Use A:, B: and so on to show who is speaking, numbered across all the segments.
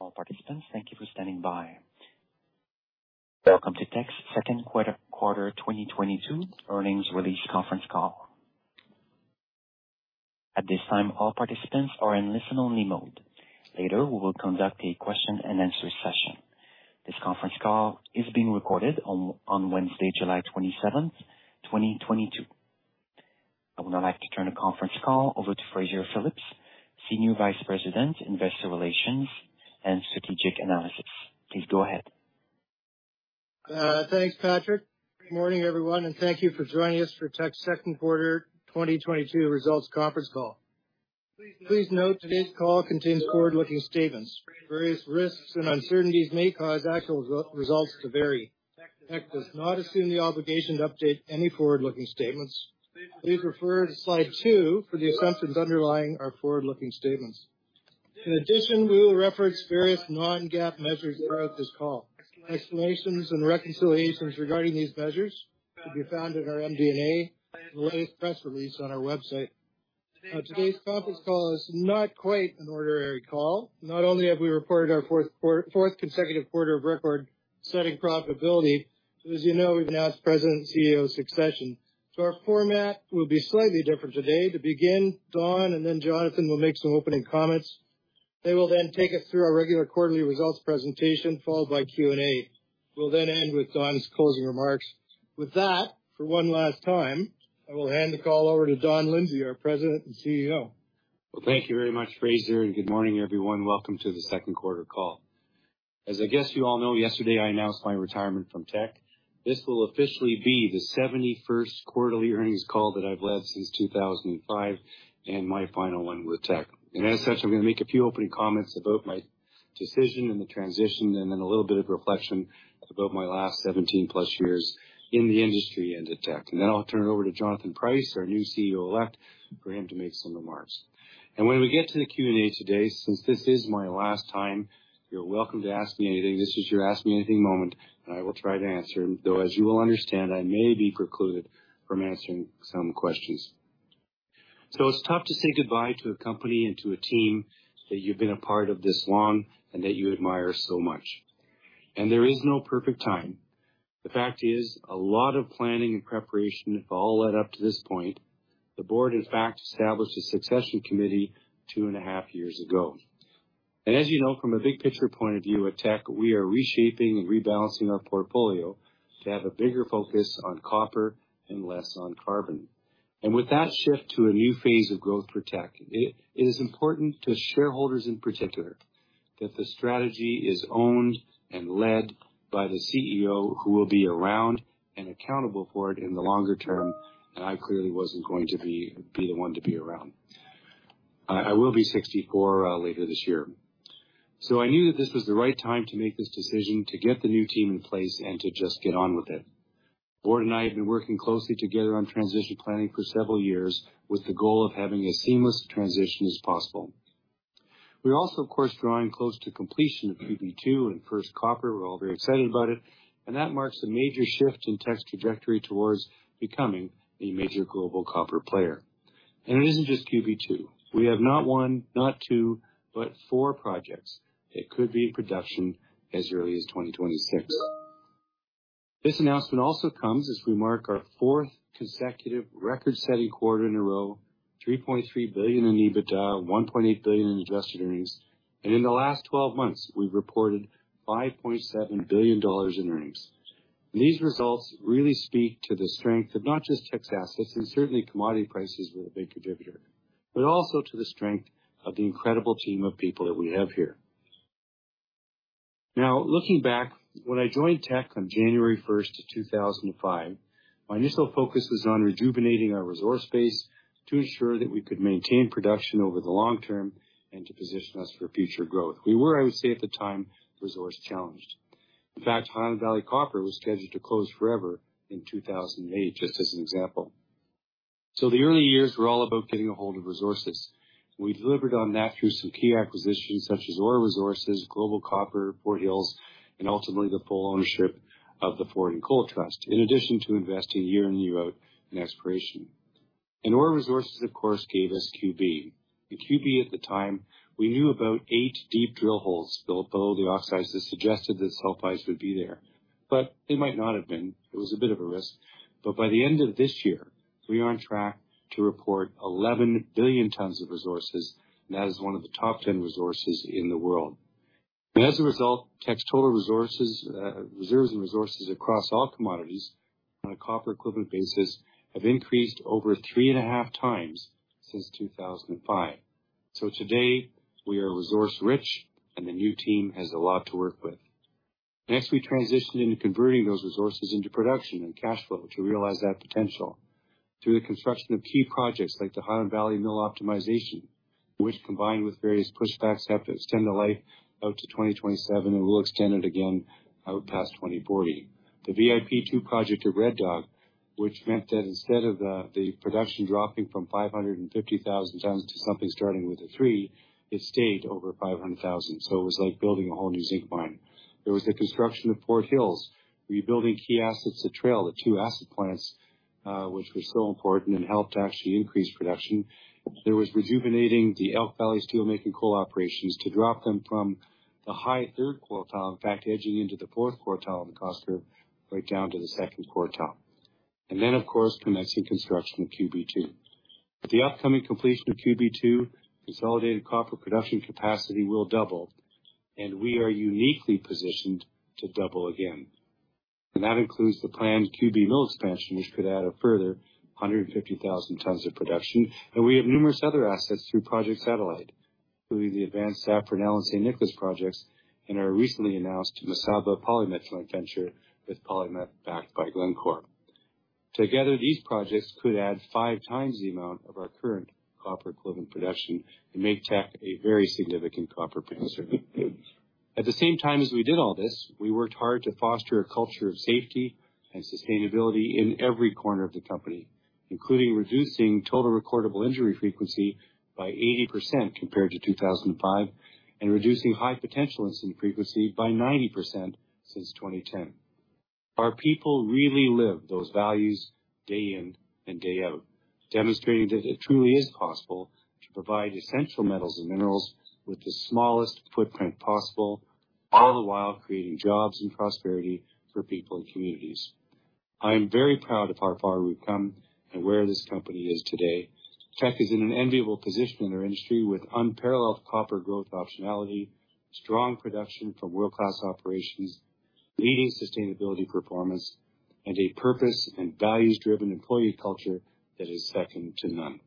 A: All participants, thank you for standing by. Welcome to Teck's Second Quarter 2022 Earnings Release Conference Call. At this time, all participants are in listen-only mode. Later, we will conduct a question-and-answer session. This conference call is being recorded on Wednesday, July 27, 2022. I would now like to turn the conference call over to Fraser Phillips, Senior Vice President, Investor Relations and Strategic Analysis. Please go ahead.
B: Thanks, Patrick. Good morning, everyone, and thank you for joining us for Teck's second quarter 2022 results conference call. Please note today's call contains forward-looking statements. Various risks and uncertainties may cause actual results to vary. Teck does not assume the obligation to update any forward-looking statements. Please refer to slide two for the assumptions underlying our forward-looking statements. In addition, we will reference various non-GAAP measures throughout this call. Explanations and reconciliations regarding these measures can be found in our MD&A and the latest press release on our website. Now, today's conference call is not quite an ordinary call. Not only have we reported our fourth consecutive quarter of record-setting profitability, but as you know, we've announced President and CEO succession. Our format will be slightly different today. To begin, Don and then Jonathan will make some opening comments. They will then take us through our regular quarterly results presentation, followed by Q&A. We'll then end with Don's closing remarks. With that, for one last time, I will hand the call over to Don Lindsay, our President and CEO.
C: Well, thank you very much, Fraser, and good morning, everyone. Welcome to the second quarter call. As I guess you all know, yesterday, I announced my retirement from Teck. This will officially be the 71st quarterly earnings call that I've led since 2005, and my final one with Teck. As such, I'm gonna make a few opening comments about my decision and the transition, and then a little bit of reflection about my last 17+ years in the industry and at Teck. Then I'll turn it over to Jonathan Price, our new CEO-elect, for him to make some remarks. When we get to the Q&A today, since this is my last time, you're welcome to ask me anything. This is your ask me anything moment, and I will try to answer them, though, as you will understand, I may be precluded from answering some questions. It's tough to say goodbye to a company and to a team that you've been a part of this long and that you admire so much. There is no perfect time. The fact is, a lot of planning and preparation have all led up to this point. The board, in fact, established a succession committee two and a half years ago. As you know, from a big picture point of view, at Teck, we are reshaping and rebalancing our portfolio to have a bigger focus on copper and less on carbon. With that shift to a new phase of growth for Teck, it is important to shareholders in particular that the strategy is owned and led by the CEO, who will be around and accountable for it in the longer term, and I clearly wasn't going to be the one to be around. I will be 64 later this year. I knew that this was the right time to make this decision, to get the new team in place and to just get on with it. The board and I have been working closely together on transition planning for several years with the goal of having as seamless a transition as possible. We're also, of course, drawing close to completion of QB2 and First Copper. We're all very excited about it, and that marks a major shift in Teck's trajectory towards becoming a major global copper player. It isn't just QB2. We have not one, not two, but four projects that could be in production as early as 2026. This announcement also comes as we mark our fourth consecutive record-setting quarter in a row, $3.3 billion in EBITDA, $1.8 billion in adjusted earnings, and in the last 12 months, we've reported $5.7 billion in earnings. These results really speak to the strength of not just Teck's assets, and certainly commodity prices were a big contributor, but also to the strength of the incredible team of people that we have here. Now, looking back, when I joined Teck on January 1st, 2005, my initial focus was on rejuvenating our resource base to ensure that we could maintain production over the long-term and to position us for future growth. We were, I would say, at the time, resource-challenged. In fact, Highland Valley Copper was scheduled to close forever in 2008, just as an example. The early years were all about getting a hold of resources. We delivered on that through some key acquisitions such as Aur Resources, Global Copper, Fort Hills, and ultimately the full ownership of the Fording Coal Trust, in addition to investing year in and year out in exploration. Aur Resources, of course, gave us QB. QB at the time, we knew about eight deep drill holes built below the oxides that suggested that sulfides would be there, but they might not have been. It was a bit of a risk. By the end of this year, we are on track to report 11 billion tons of resources, and that is one of the top 10 resources in the world. As a result, Teck's total resources, reserves and resources across all commodities on a copper equivalent basis have increased over 3.5x since 2005. Today, we are resource rich, and the new team has a lot to work with. Next, we transitioned into converting those resources into production and cash flow to realize that potential through the construction of key projects like the Highland Valley mill optimization, which, combined with various pushbacks, have to extend the life out to 2027 and will extend it again out past 2040. The VIP2 project at Red Dog, which meant that instead of the production dropping from 550,000 tons to something starting with a three, it stayed over 500,000. It was like building a whole new zinc mine. There was the construction of Fort Hills, rebuilding key assets at Trail, the two acid plants, which were so important and helped to actually increase production. There was rejuvenating the Elk Valley steelmaking coal operations to drop them from the high third quartile, in fact, edging into the fourth quartile of the cost curve, right down to the second quartile. Of course, commencing construction of QB2. With the upcoming completion of QB2, consolidated copper production capacity will double, and we are uniquely positioned to double again. That includes the planned QB Mill Expansion, which could add a further 150,000 tons of production. We have numerous other assets through Project Satellite, including the advanced Sapphire and San Nicolás projects, and our recently announced Mesaba polymetallic venture with PolyMet, backed by Glencore. Together, these projects could add 5x the amount of our current copper equivalent production and make Teck a very significant copper producer. At the same time as we did all this, we worked hard to foster a culture of safety and sustainability in every corner of the company, including reducing total recordable injury frequency by 80% compared to 2005, and reducing high potential incident frequency by 90% since 2010. Our people really live those values day in and day out, demonstrating that it truly is possible to provide essential metals and minerals with the smallest footprint possible, all the while creating jobs and prosperity for people and communities. I am very proud of how far we've come and where this company is today. Teck is in an enviable position in our industry with unparalleled copper growth optionality, strong production from world-class operations, leading sustainability performance, and a purpose and values-driven employee culture that is second to none.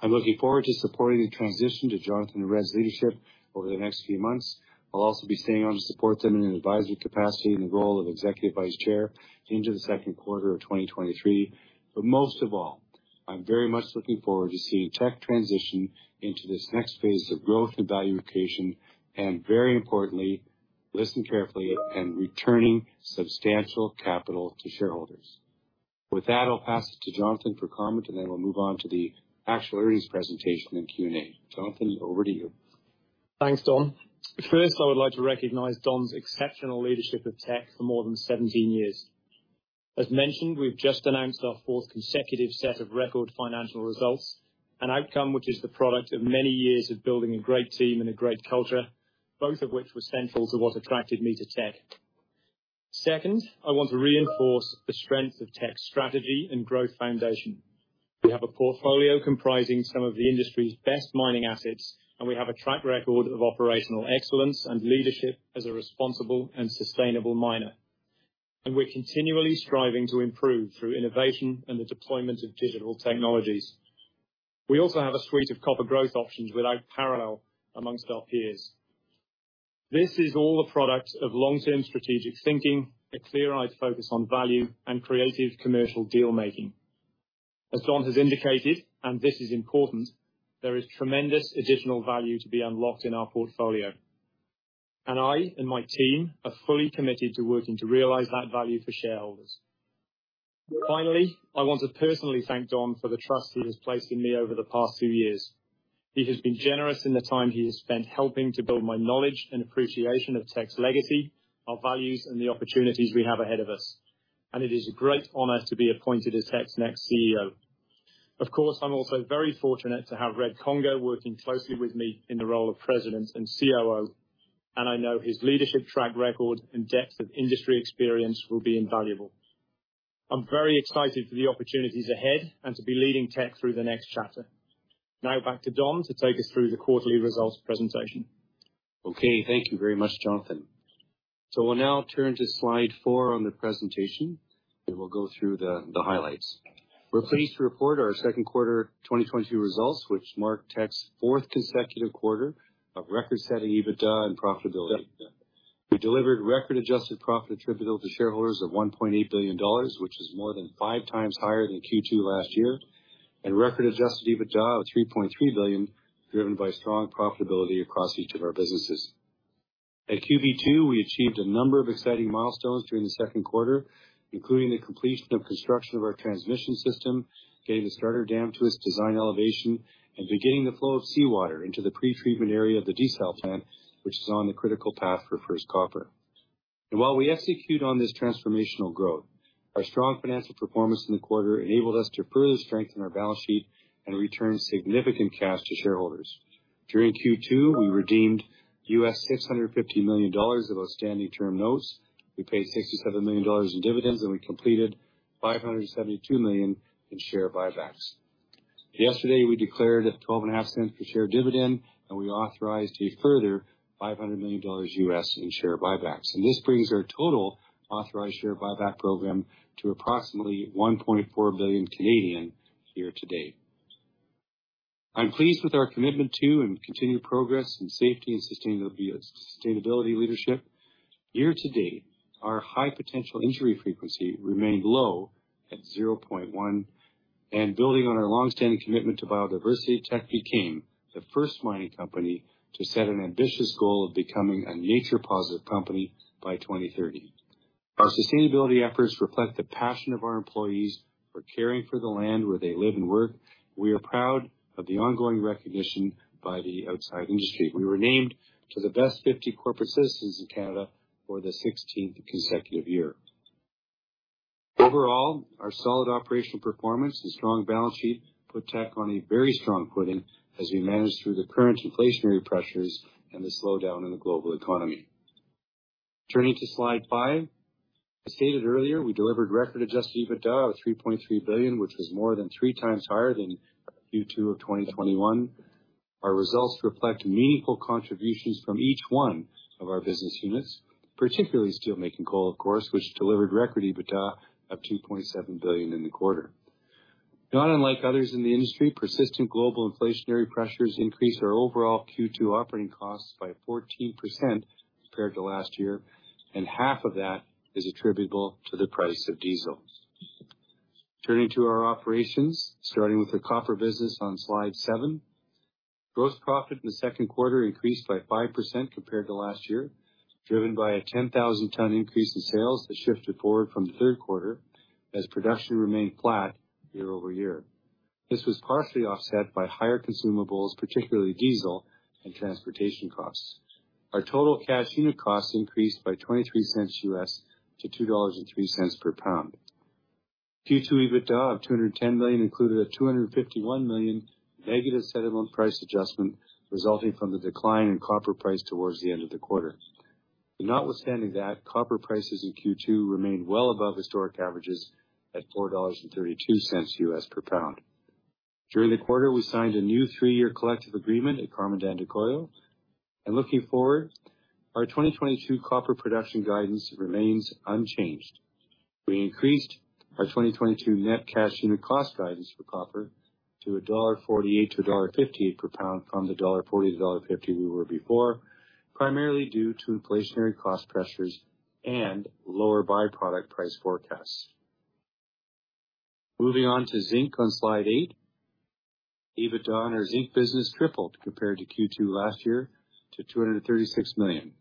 C: I'm looking forward to supporting the transition to Jonathan and Red's leadership over the next few months. I'll also be staying on to support them in an advisory capacity in the role of Executive Vice Chair into the second quarter of 2023. Most of all, I'm very much looking forward to seeing Teck transition into this next phase of growth and value creation, and very importantly, returning substantial capital to shareholders. With that, I'll pass it to Jonathan for comment, and then we'll move on to the actual earnings presentation and Q&A. Jonathan, over to you.
D: Thanks, Don. First, I would like to recognize Don's exceptional leadership of Teck for more than 17 years. As mentioned, we've just announced our fourth consecutive set of record financial results, an outcome which is the product of many years of building a great team and a great culture, both of which were central to what attracted me to Teck. Second, I want to reinforce the strength of Teck's strategy and growth foundation. We have a portfolio comprising some of the industry's best mining assets, and we have a track record of operational excellence and leadership as a responsible and sustainable miner. We're continually striving to improve through innovation and the deployment of digital technologies. We also have a suite of copper growth options without parallel amongst our peers. This is all a product of long-term strategic thinking, a clear-eyed focus on value, and creative commercial deal-making. As Don has indicated, and this is important, there is tremendous additional value to be unlocked in our portfolio. I and my team are fully committed to working to realize that value for shareholders. Finally, I want to personally thank Don for the trust he has placed in me over the past two years. He has been generous in the time he has spent helping to build my knowledge and appreciation of Teck's legacy, our values, and the opportunities we have ahead of us. It is a great honor to be appointed as Teck's next CEO. Of course, I'm also very fortunate to have Red Conger working closely with me in the role of President and COO, and I know his leadership track record and depth of industry experience will be invaluable. I'm very excited for the opportunities ahead and to be leading Teck through the next chapter. Now back to Don to take us through the quarterly results presentation.
C: Okay. Thank you very much, Jonathan. We'll now turn to slide four on the presentation, and we'll go through the highlights. We're pleased to report our Q2 2022 results, which mark Teck's fourth consecutive quarter of record-setting EBITDA and profitability. We delivered record adjusted profit attributable to shareholders of $1.8 billion, which is more than 5x higher than Q2 last year, and record adjusted EBITDA of $3.3 billion, driven by strong profitability across each of our businesses. At QB2, we achieved a number of exciting milestones during the second quarter, including the completion of construction of our transmission system, getting the starter dam to its design elevation, and beginning the flow of seawater into the pretreatment area of the desal plant, which is on the critical path for first copper. While we execute on this transformational growth, our strong financial performance in the quarter enabled us to further strengthen our balance sheet and return significant cash to shareholders. During Q2, we redeemed $650 million of outstanding term notes. We paid 67 million dollars in dividends, and we completed 572 million in share buybacks. Yesterday, we declared a 0.125 per share dividend, and we authorized a further $500 million in share buybacks. This brings our total authorized share buyback program to approximately 1.4 billion year-to-date. I'm pleased with our commitment to and continued progress in safety and sustainability leadership. Year-to-date, our high potential injury frequency remained low at 0.1. Building on our longstanding commitment to biodiversity, Teck became the first mining company to set an ambitious goal of becoming a nature positive company by 2030. Our sustainability efforts reflect the passion of our employees for caring for the land where they live and work. We are proud of the ongoing recognition by the outside industry. We were named to the best 50 corporate citizens in Canada for the 16th consecutive year. Overall, our solid operational performance and strong balance sheet put Teck on a very strong footing as we manage through the current inflationary pressures and the slowdown in the global economy. Turning to slide five. As stated earlier, we delivered record adjusted EBITDA of 3.3 billion, which was more than 3x higher than Q2 of 2021. Our results reflect meaningful contributions from each one of our business units, particularly steelmaking coal of course, which delivered record EBITDA of $2.7 billion in the quarter. Not unlike others in the industry, persistent global inflationary pressures increased our overall Q2 operating costs by 14% compared to last year, and half of that is attributable to the price of diesel. Turning to our operations, starting with the copper business on slide seven. Gross profit in the second quarter increased by 5% compared to last year, driven by a 10,000-ton increase in sales that shifted forward from the third quarter as production remained flat year-over-year. This was partially offset by higher consumables, particularly diesel and transportation costs. Our total cash unit costs increased by $0.23 to $2.03 per pound. Q2 EBITDA of $210 million included a $251 million negative settlement price adjustment resulting from the decline in copper price towards the end of the quarter. Notwithstanding that, copper prices in Q2 remained well above historic averages at $4.32 per pound. During the quarter, we signed a new three-year collective agreement at Carmen de Andacollo. Looking forward, our 2022 copper production guidance remains unchanged. We increased our 2022 net cash unit cost guidance for copper to $1.48-$1.58 per pound from the $1.40-$1.50 we were before, primarily due to inflationary cost pressures and lower by-product price forecasts. Moving on to zinc on slide eight. EBITDA on our zinc business tripled compared to Q2 last year to $236 million.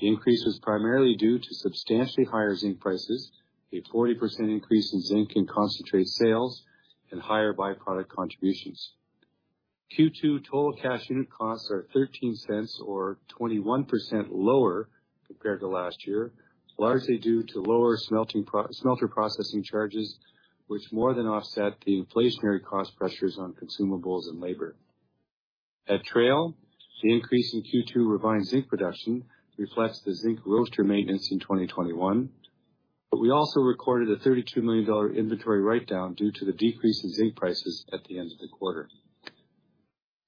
C: The increase was primarily due to substantially higher zinc prices, a 40% increase in zinc and concentrate sales, and higher by-product contributions. Q2 total cash unit costs are 0.13 or 21% lower compared to last year, largely due to lower smelting per-smelter processing charges, which more than offset the inflationary cost pressures on consumables and labor. At Trail, the increase in Q2 refined zinc production reflects the zinc roaster maintenance in 2021. We also recorded a 32 million dollar inventory write down due to the decrease in zinc prices at the end of the quarter.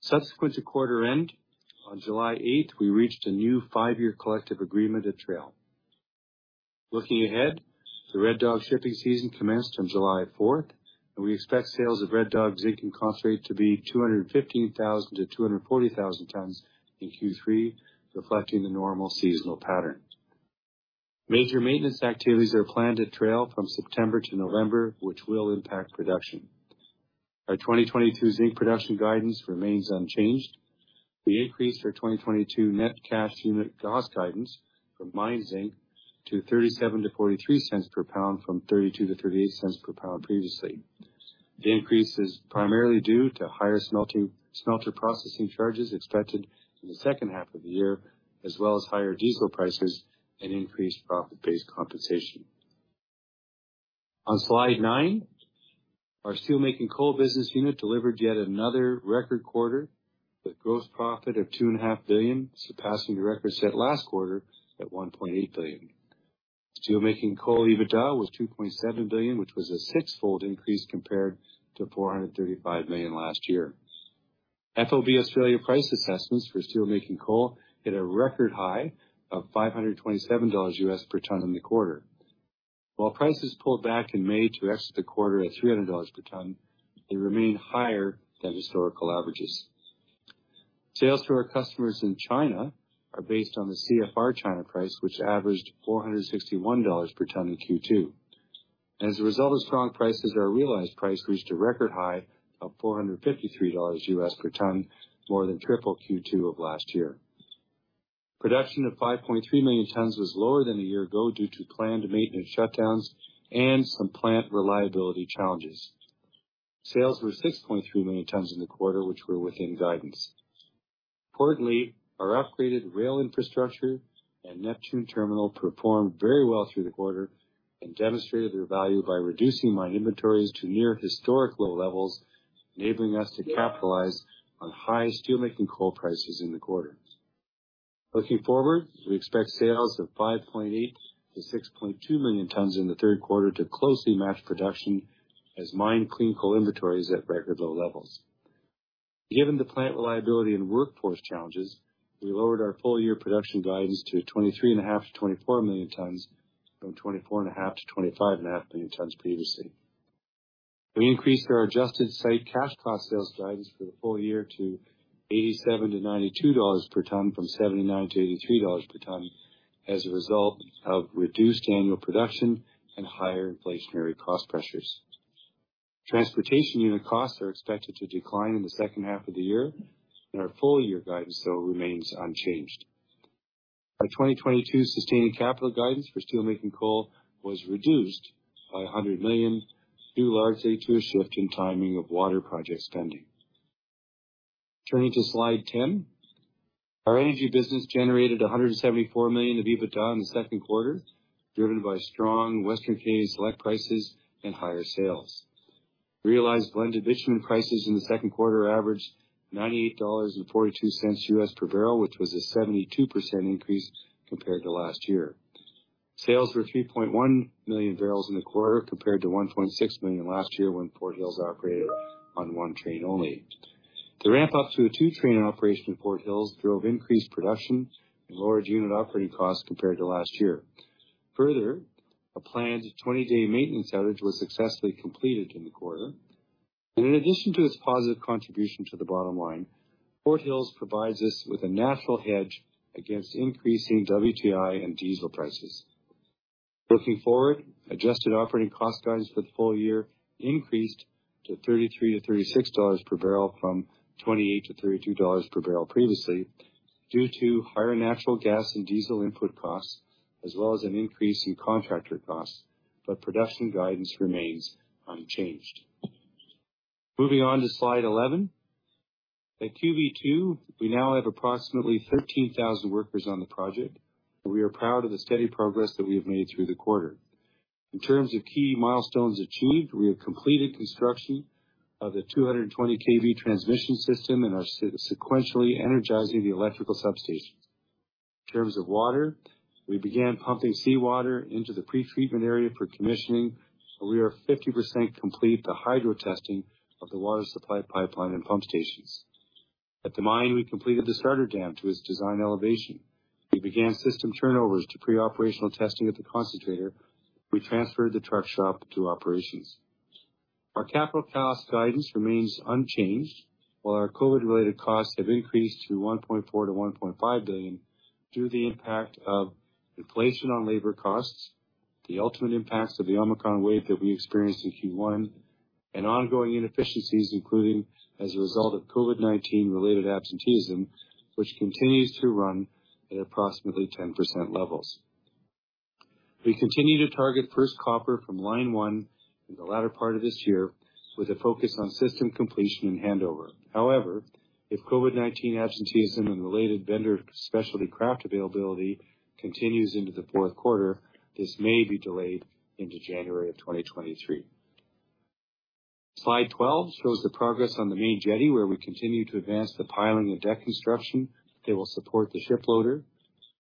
C: Subsequent to quarter end, on July 8, we reached a new five-year collective agreement at Trail. Looking ahead, the Red Dog shipping season commenced on July 4, and we expect sales of Red Dog zinc and concentrate to be 215,000-240,000 tons in Q3, reflecting the normal seasonal pattern. Major maintenance activities are planned at Trail from September to November, which will impact production. Our 2022 zinc production guidance remains unchanged. We increased our 2022 net cash unit cost guidance for mined zinc to $0.37-$0.43 per pound from $0.32-$0.38 per pound previously. The increase is primarily due to higher smelting, smelter processing charges expected in the second half of the year, as well as higher diesel prices and increased profit-based compensation. On slide nine, our steelmaking coal business unit delivered yet another record quarter with gross profit of 2.5 billion, surpassing the record set last quarter at 1.8 billion. Steelmaking coal EBITDA was 2.7 billion, which was a six-fold increase compared to 435 million last year. FOB Australia price assessments for steelmaking coal hit a record high of $527 per ton in the quarter. While prices pulled back in May to exit the quarter at $300 per ton, they remain higher than historical averages. Sales to our customers in China are based on the CFR China price, which averaged $461 per ton in Q2. As a result of strong prices, our realized price reached a record high of $453 per ton, more than triple Q2 of last year. Production of 5.3 million tons was lower than a year ago due to planned maintenance shutdowns and some plant reliability challenges. Sales were 6.3 million tons in the quarter, which were within guidance. Importantly, our upgraded rail infrastructure and Neptune terminal performed very well through the quarter and demonstrated their value by reducing mine inventories to near historic low levels, enabling us to capitalize on high steelmaking coal prices in the quarter. Looking forward, we expect sales of 5.8-6.2 million tons in the third quarter to closely match production as mine clean coal inventories at record low levels. Given the plant reliability and workforce challenges, we lowered our full-year production guidance to 23.5-24 million tons from 24.5-25.5 million tons previously. We increased our adjusted site cash cost sales guidance for the full year to 87-92 dollars per ton from 79-83 dollars per ton as a result of reduced annual production and higher inflationary cost pressures. Transportation unit costs are expected to decline in the second half of the year, and our full year guidance still remains unchanged. Our 2022 sustained capital guidance for steelmaking coal was reduced by 100 million, due largely to a shift in timing of water project spending. Turning to slide 10. Our energy business generated 174 million of EBITDA in the second quarter, driven by strong Western Canadian Select prices and higher sales. Realized blended bitumen prices in the second quarter averaged $98.42 per bbl, which was a 72% increase compared to last year. Sales were 3.1 million bbl in the quarter compared to 1.6 million last year when Fort Hills operated on one train only. The ramp-up to a two-train operation at Fort Hills drove increased production and lowered unit operating costs compared to last year. Further, a planned 20-day maintenance outage was successfully completed in the quarter. In addition to its positive contribution to the bottom line, Fort Hills provides us with a natural hedge against increasing WTI and diesel prices. Looking forward, adjusted operating cost guidance for the full year increased to $33-$36 per bbl from $28-$32 per bbl previously due to higher natural gas and diesel input costs, as well as an increase in contractor costs, but production guidance remains unchanged. Moving on to slide 11. At QB2, we now have approximately 13,000 workers on the project. We are proud of the steady progress that we have made through the quarter. In terms of key milestones achieved, we have completed construction of the 220 kV transmission system and are sequentially energizing the electrical substation. In terms of water, we began pumping seawater into the pre-treatment area for commissioning, and we are 50% complete the hydro testing of the water supply pipeline and pump stations. At the mine, we completed the starter dam to its design elevation. We began system turnovers to pre-operational testing at the concentrator. We transferred the truck shop to operations. Our capital cost guidance remains unchanged, while our COVID-related costs have increased to 1.4 billion-1.5 billion due to the impact of inflation on labor costs, the ultimate impacts of the Omicron wave that we experienced in Q1, and ongoing inefficiencies, including as a result of COVID-19 related absenteeism, which continues to run at approximately 10% levels. We continue to target first copper from line one in the latter part of this year with a focus on system completion and handover. However, if COVID-19 absenteeism and related vendor specialty craft availability continues into the fourth quarter, this may be delayed into January 2023. Slide 12 shows the progress on the main jetty, where we continue to advance the piling of deck construction that will support the ship loader.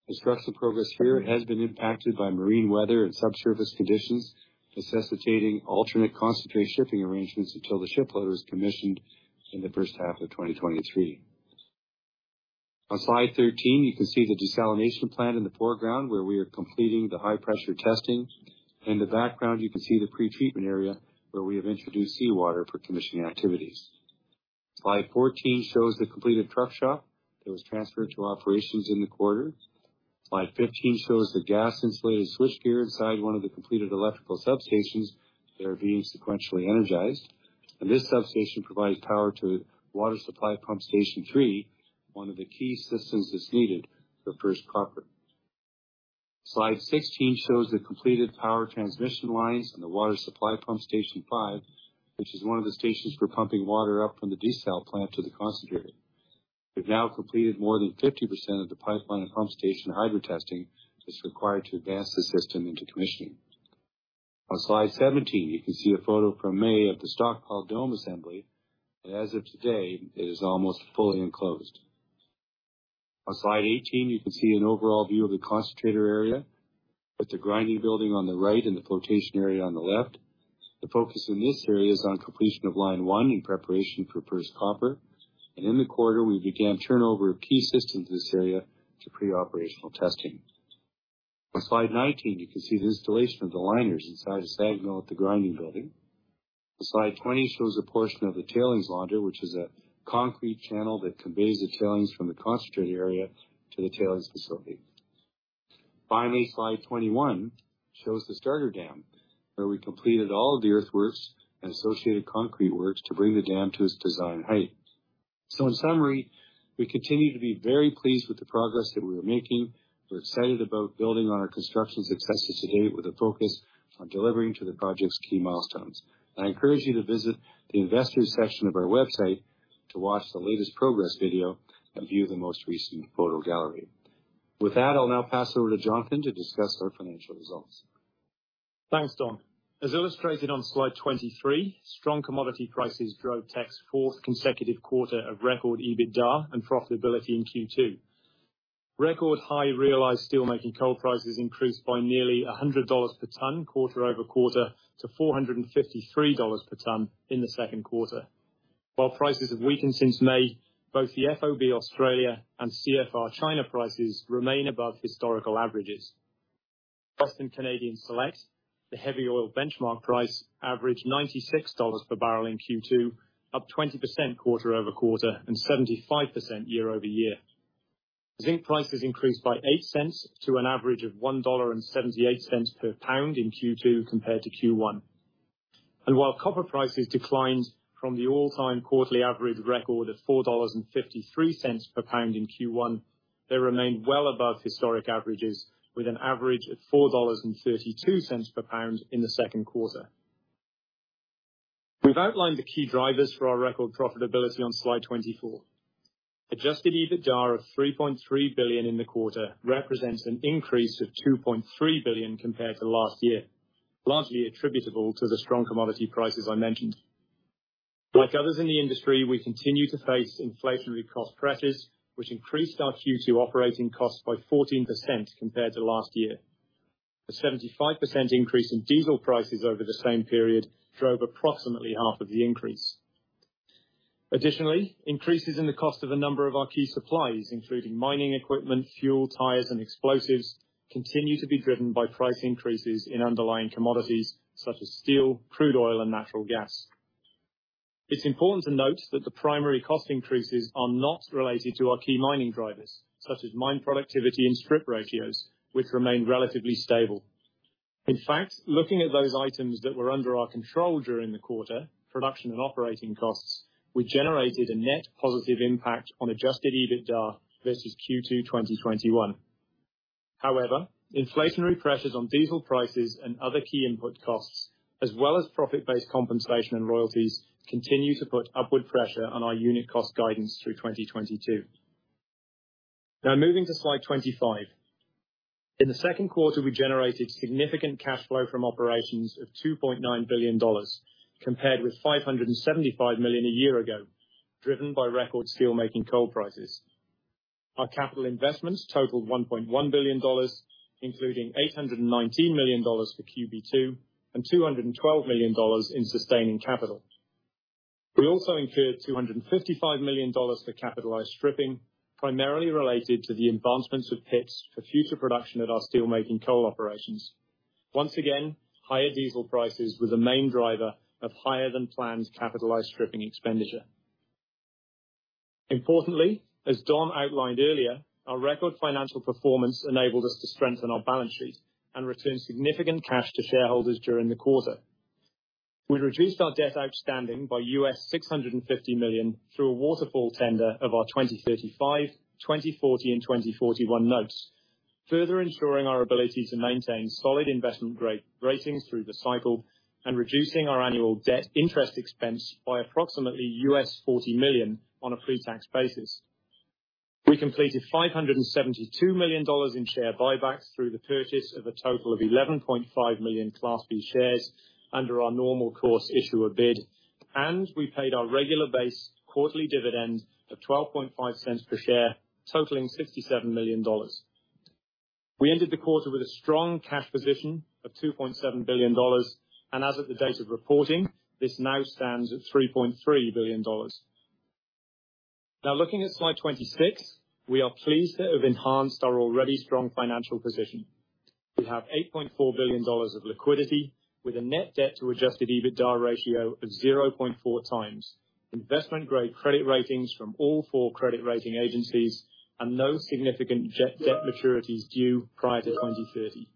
C: The structural progress here has been impacted by marine weather and subsurface conditions, necessitating alternate concentrate shipping arrangements until the ship loader is commissioned in the first half of 2023. On slide 13, you can see the desalination plant in the foreground, where we are completing the high pressure testing. In the background, you can see the pre-treatment area where we have introduced seawater for commissioning activities. Slide 14 shows the completed truck shop that was transferred to operations in the quarter. Slide 15 shows the gas-insulated switchgear inside one of the completed electrical substations that are being sequentially energized. This substation provides power to water supply pump station three, one of the key systems that's needed for first copper. Slide 16 shows the completed power transmission lines and the water supply pump station five, which is one of the stations for pumping water up from the desal plant to the concentrator. We've now completed more than 50% of the pipeline and pump station hydro testing that's required to advance the system into commissioning. On slide 17, you can see a photo from May of the stockpile dome assembly, and as of today, it is almost fully enclosed. On slide 18, you can see an overall view of the concentrator area with the grinding building on the right and the flotation area on the left. The focus in this area is on completion of line one in preparation for first copper. In the quarter, we began turnover of key systems in this area to pre-operational testing. On slide 19, you can see the installation of the liners inside the sag mill at the grinding building. On slide 20 shows a portion of the tailings launder, which is a concrete channel that conveys the tailings from the concentrate area to the tailings facility. Finally, slide 21 shows the starter dam, where we completed all of the earthworks and associated concrete works to bring the dam to its design height. In summary, we continue to be very pleased with the progress that we are making. We're excited about building on our construction successes to date with a focus on delivering to the project's key milestones. I encourage you to visit the investors section of our website to watch the latest progress video and view the most recent photo gallery. With that, I'll now pass over to Jonathan to discuss our financial results.
D: Thanks, Don. As illustrated on slide 23, strong commodity prices drove Teck's fourth consecutive quarter of record EBITDA and profitability in Q2. Record high realized steelmaking coal prices increased by nearly $100 per ton quarter-over-quarter to $453 per ton in the second quarter. While prices have weakened since May, both the FOB Australia and CFR China prices remain above historical averages. Western Canadian Select, the heavy oil benchmark price, averaged $96 per bbl in Q2, up 20% quarter-over-quarter and 75% year-over-year. Zinc prices increased by $0.8 to an average of $1.78 per pound in Q2 compared to Q1. While copper prices declined from the all-time quarterly average record of $4.53 per pound in Q1, they remained well above historic averages, with an average of $4.32 per pound in the second quarter. We've outlined the key drivers for our record profitability on slide 24. Adjusted EBITDA of $3.3 billion in the quarter represents an increase of $2.3 billion compared to last year, largely attributable to the strong commodity prices I mentioned. Like others in the industry, we continue to face inflationary cost pressures, which increased our Q2 operating costs by 14% compared to last year. A 75% increase in diesel prices over the same period drove approximately half of the increase. Additionally, increases in the cost of a number of our key supplies, including mining equipment, fuel, tires, and explosives, continue to be driven by price increases in underlying commodities such as steel, crude oil, and natural gas. It's important to note that the primary cost increases are not related to our key mining drivers, such as mine productivity and strip ratios, which remain relatively stable. In fact, looking at those items that were under our control during the quarter, production and operating costs, we generated a net positive impact on adjusted EBITDA versus Q2 2021. However, inflationary pressures on diesel prices and other key input costs, as well as profit-based compensation and royalties, continue to put upward pressure on our unit cost guidance through 2022. Now moving to slide 25. In the second quarter, we generated significant cash flow from operations of $2.9 billion, compared with $575 million a year ago, driven by record steelmaking coal prices. Our capital investments totaled $1.1 billion, including $819 million for QB2 and $212 million in sustaining capital. We also incurred $255 million for capitalized stripping, primarily related to the advancements of pits for future production at our steelmaking coal operations. Once again, higher diesel prices were the main driver of higher than planned capitalized stripping expenditure. Importantly, as Don outlined earlier, our record financial performance enabled us to strengthen our balance sheet and return significant cash to shareholders during the quarter. We reduced our debt outstanding by $650 million through a waterfall tender of our 2035, 2040 and 2041 notes, further ensuring our ability to maintain solid investment grade ratings through the cycle and reducing our annual debt interest expense by approximately $40 million on a pre-tax basis. We completed $572 million in share buybacks through the purchase of a total of 11.5 million Class B shares under our normal course issuer bid, and we paid our regular base quarterly dividend of $0.125 per share, totaling $67 million. We ended the quarter with a strong cash position of $2.7 billion, and as of the date of reporting, this now stands at $3.3 billion. Now looking at slide 26, we are pleased to have enhanced our already strong financial position. We have $8.4 billion of liquidity with a net debt to adjusted EBITDA ratio of 0.4x, investment-grade credit ratings from all four credit rating agencies and no significant net debt maturities due prior to 2030.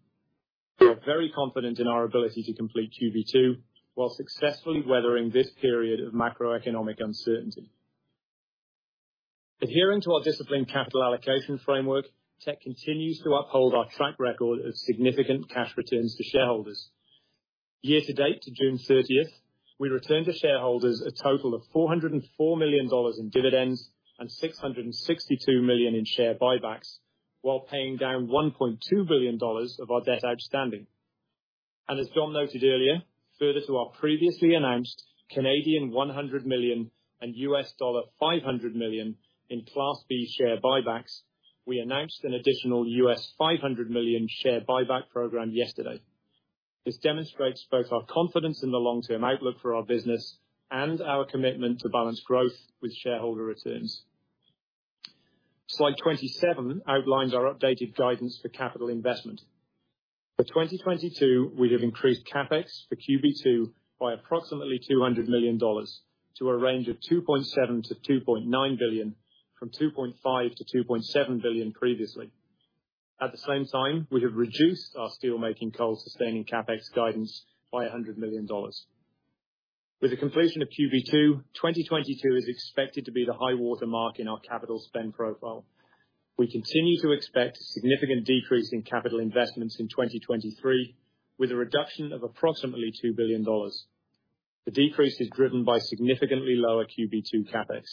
D: We are very confident in our ability to complete QB2 while successfully weathering this period of macroeconomic uncertainty. Adhering to our disciplined capital allocation framework, Teck continues to uphold our track record of significant cash returns to shareholders. Year-to-date to June 30, we returned to shareholders a total of $404 million in dividends and $662 million in share buybacks while paying down $1.2 billion of our debt outstanding. As Don noted earlier, further to our previously announced 100 million and $500 million in Class B share buybacks, we announced an additional $500 million share buyback program yesterday. This demonstrates both our confidence in the long-term outlook for our business and our commitment to balanced growth with shareholder returns. Slide 27 outlines our updated guidance for capital investment. For 2022, we have increased CapEx for QB2 by approximately $200 million to a range of $2.7 billion-$2.9 billion, from $2.5 billion-$2.7 billion previously. At the same time, we have reduced our steelmaking coal sustaining CapEx guidance by $100 million. With the completion of QB2, 2022 is expected to be the high water mark in our capital spend profile. We continue to expect a significant decrease in capital investments in 2023, with a reduction of approximately 2 billion dollars. The decrease is driven by significantly lower QB2 CapEx.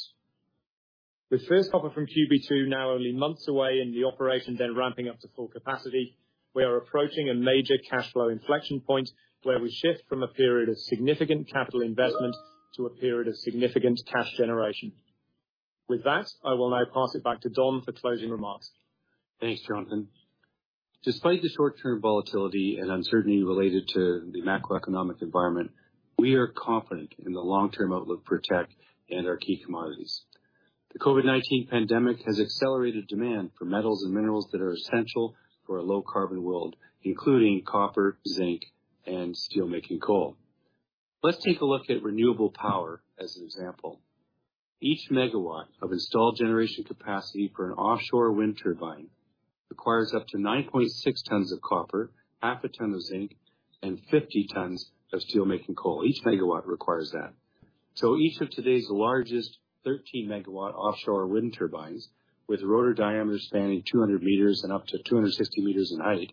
D: With first copper from QB2 now only months away in the operation, then ramping up to full capacity, we are approaching a major cash flow inflection point where we shift from a period of significant capital investment to a period of significant cash generation. With that, I will now pass it back to Don for closing remarks.
C: Thanks, Jonathan. Despite the short-term volatility and uncertainty related to the macroeconomic environment, we are confident in the long-term outlook for Teck and our key commodities. The COVID-19 pandemic has accelerated demand for metals and minerals that are essential for a low-carbon world, including copper, zinc, and steelmaking coal. Let's take a look at renewable power as an example. Each megawatt of installed generation capacity for an offshore wind turbine requires up to 9.6 tons of copper, half a ton of zinc, and 50 tons of steelmaking coal. Each megawatt requires that. Each of today's largest 13 MW offshore wind turbines, with rotor diameters spanning 200 meters and up to 260 meters in height,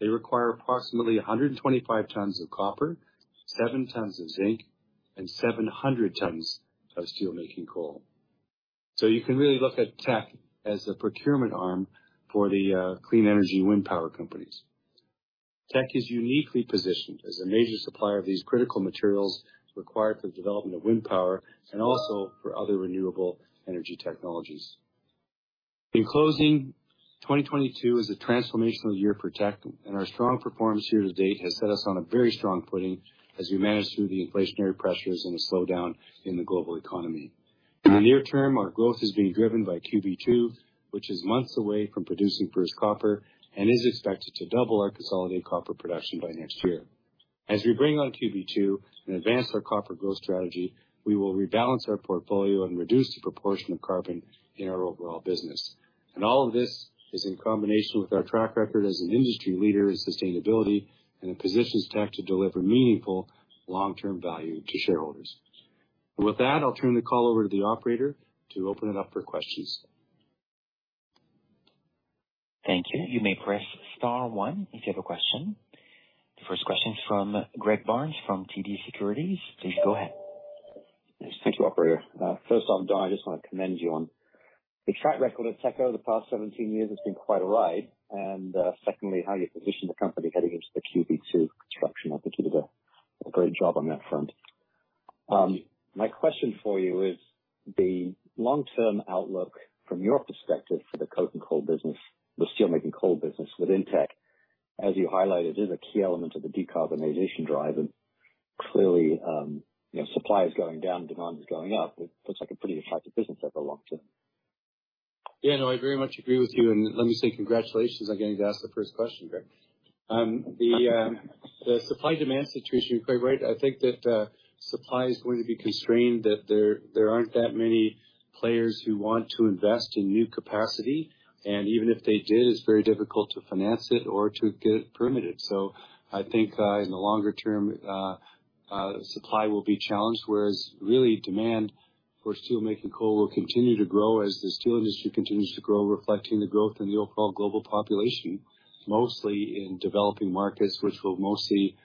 C: they require approximately 125 tons of copper, 7 tons of zinc, and 700 tons of steelmaking coal. You can really look at Teck as a procurement arm for the clean energy wind power companies. Teck is uniquely positioned as a major supplier of these critical materials required for the development of wind power and also for other renewable energy technologies. In closing, 2022 is a transformational year for Teck, and our strong performance year-to-date has set us on a very strong footing as we manage through the inflationary pressures and a slowdown in the global economy. In the near term, our growth is being driven by QB2, which is months away from producing first copper and is expected to double our consolidated copper production by next year. As we bring on QB2 and advance our copper growth strategy, we will rebalance our portfolio and reduce the proportion of carbon in our overall business. All of this is in combination with our track record as an industry leader in sustainability and it positions Teck to deliver meaningful long-term value to shareholders. With that, I'll turn the call over to the operator to open it up for questions.
A: Thank you. You may press star one if you have a question. The first question is from Greg Barnes from TD Securities. Please go ahead.
E: Yes, thank you, operator. First off, Don, I just wanna commend you on the track record of Teck over the past 17 years has been quite a ride, and secondly, how you positioned the company heading into the QB2 construction. I think you did a great job on that front. My question for you is the long-term outlook from your perspective for the coke and coal business, the steelmaking coal business within Teck, as you highlighted, is a key element of the decarbonization drive, and clearly, you know, supply is going down, demand is going up. It looks like a pretty attractive business over the long-term.
C: Yeah, no, I very much agree with you. Let me say congratulations on getting to ask the first question, Greg. The supply demand situation, you're quite right. I think that supply is going to be constrained, that there aren't that many players who want to invest in new capacity, and even if they did, it's very difficult to finance it or to get it permitted. I think in the longer term supply will be challenged, whereas really demand for steelmaking coal will continue to grow as the steel industry continues to grow, reflecting the growth in the overall global population, mostly in developing markets, which will mostly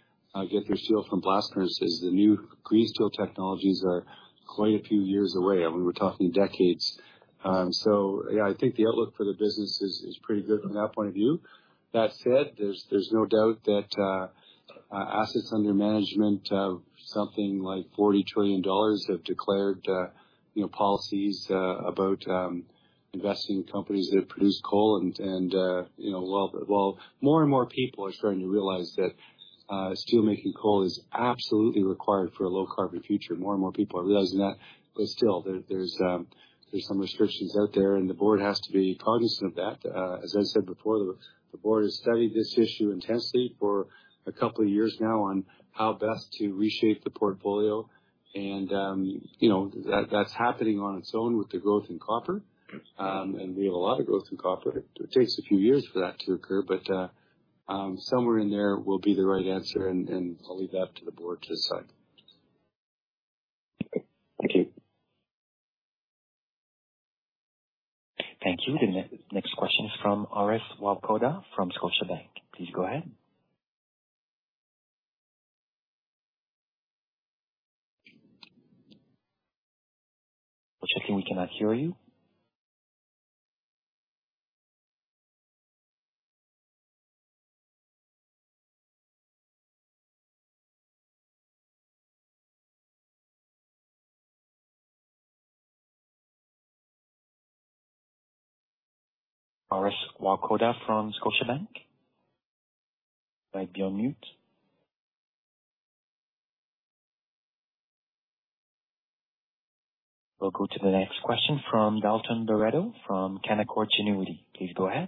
C: get their steel from blast furnaces. The new green steel technologies are quite a few years away. I mean, we're talking decades. Yeah, I think the outlook for the business is pretty good from that point of view. That said, there's no doubt that assets under management of something like $40 trillion have declared, you know, policies about investing in companies that produce coal and, you know, while more and more people are starting to realize that steelmaking coal is absolutely required for a low carbon future, more and more people are realizing that. Still, there's some restrictions out there, and the board has to be cognizant of that. As I said before, the board has studied this issue intensely for a couple of years now on how best to reshape the portfolio. You know, that's happening on its own with the growth in copper, and we have a lot of growth in copper. It takes a few years for that to occur, but somewhere in there will be the right answer, and I'll leave that to the board to decide.
E: Thank you.
A: Thank you. The next question is from Orest Wowkodaw from Scotiabank. Please go ahead. Orest Wowkodaw, from Scotiabank? Might be on mute. We'll go to the next question from Dalton Baretto from Canaccord Genuity. Please go ahead.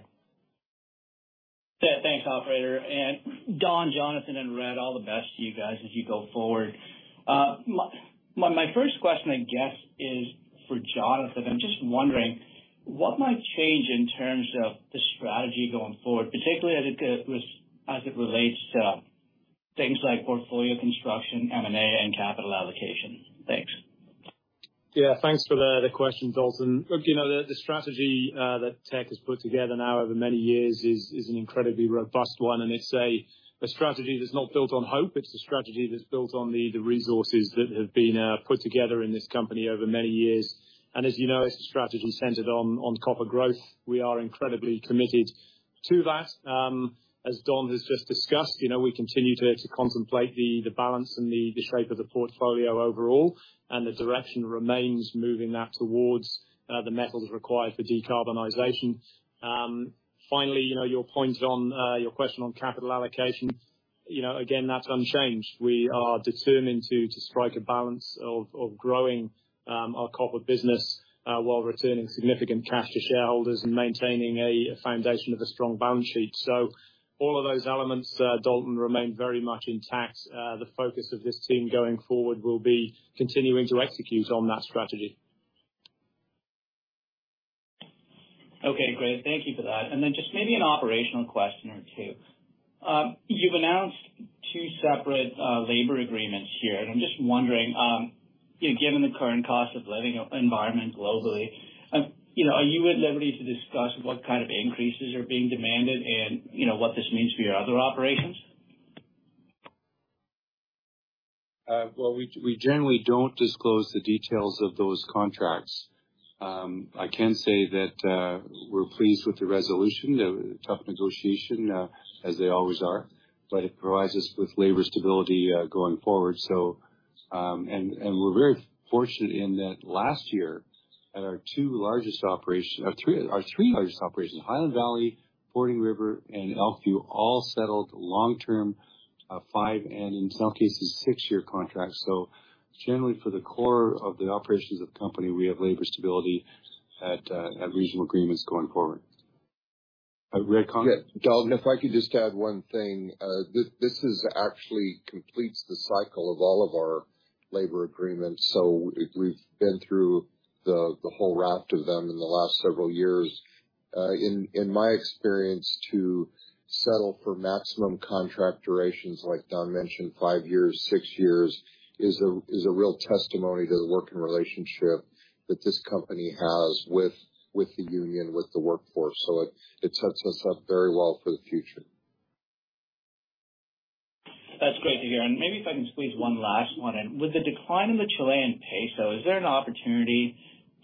F: Yeah, thanks, operator. Don, Jonathan, and Red, all the best to you guys as you go forward. My first question, I guess, is for Jonathan. I'm just wondering what might change in terms of the strategy going forward, particularly as it relates to things like portfolio construction, M&A, and capital allocation. Thanks.
D: Yeah. Thanks for the question, Dalton. Look, you know, the strategy that Teck has put together now over many years is an incredibly robust one, and it's a strategy that's not built on hope. It's a strategy that's built on the resources that have been put together in this company over many years. As you know, it's a strategy centered on copper growth. We are incredibly committed to that. As Don has just discussed, you know, we continue to contemplate the balance and the shape of the portfolio overall, and the direction remains moving that towards the metals required for decarbonization. Finally, you know, your point on your question on capital allocation, you know, again, that's unchanged. We are determined to strike a balance of growing our copper business while returning significant cash to shareholders and maintaining a foundation of a strong balance sheet. All of those elements, Dalton, remain very much intact. The focus of this team going forward will be continuing to execute on that strategy.
F: Okay, great. Thank you for that. Just maybe an operational question or two. You've announced two separate labor agreements here. I'm just wondering, you know, given the current cost of living environment globally, you know, are you at liberty to discuss what kind of increases are being demanded and, you know, what this means for your other operations?
C: Well, we generally don't disclose the details of those contracts. I can say that, we're pleased with the resolution of a tough negotiation, as they always are, but it provides us with labor stability, going forward. We're very fortunate in that last year our three largest operations, Highland Valley, Fording River and Elkview all settled long-term, five and in some cases six-year contracts. Generally for the core of the operations of the company, we have labor stability at regional agreements going forward. Red, comments?
G: Yeah. Dalton, if I could just add one thing. This actually completes the cycle of all of our labor agreements. We've been through the whole raft of them in the last several years. In my experience, to settle for maximum contract durations like Don mentioned, five years, six years, is a real testimony to the working relationship that this company has with the union, with the workforce. It sets us up very well for the future.
F: That's great to hear. Maybe if I can squeeze one last one in. With the decline in the Chilean peso, is there an opportunity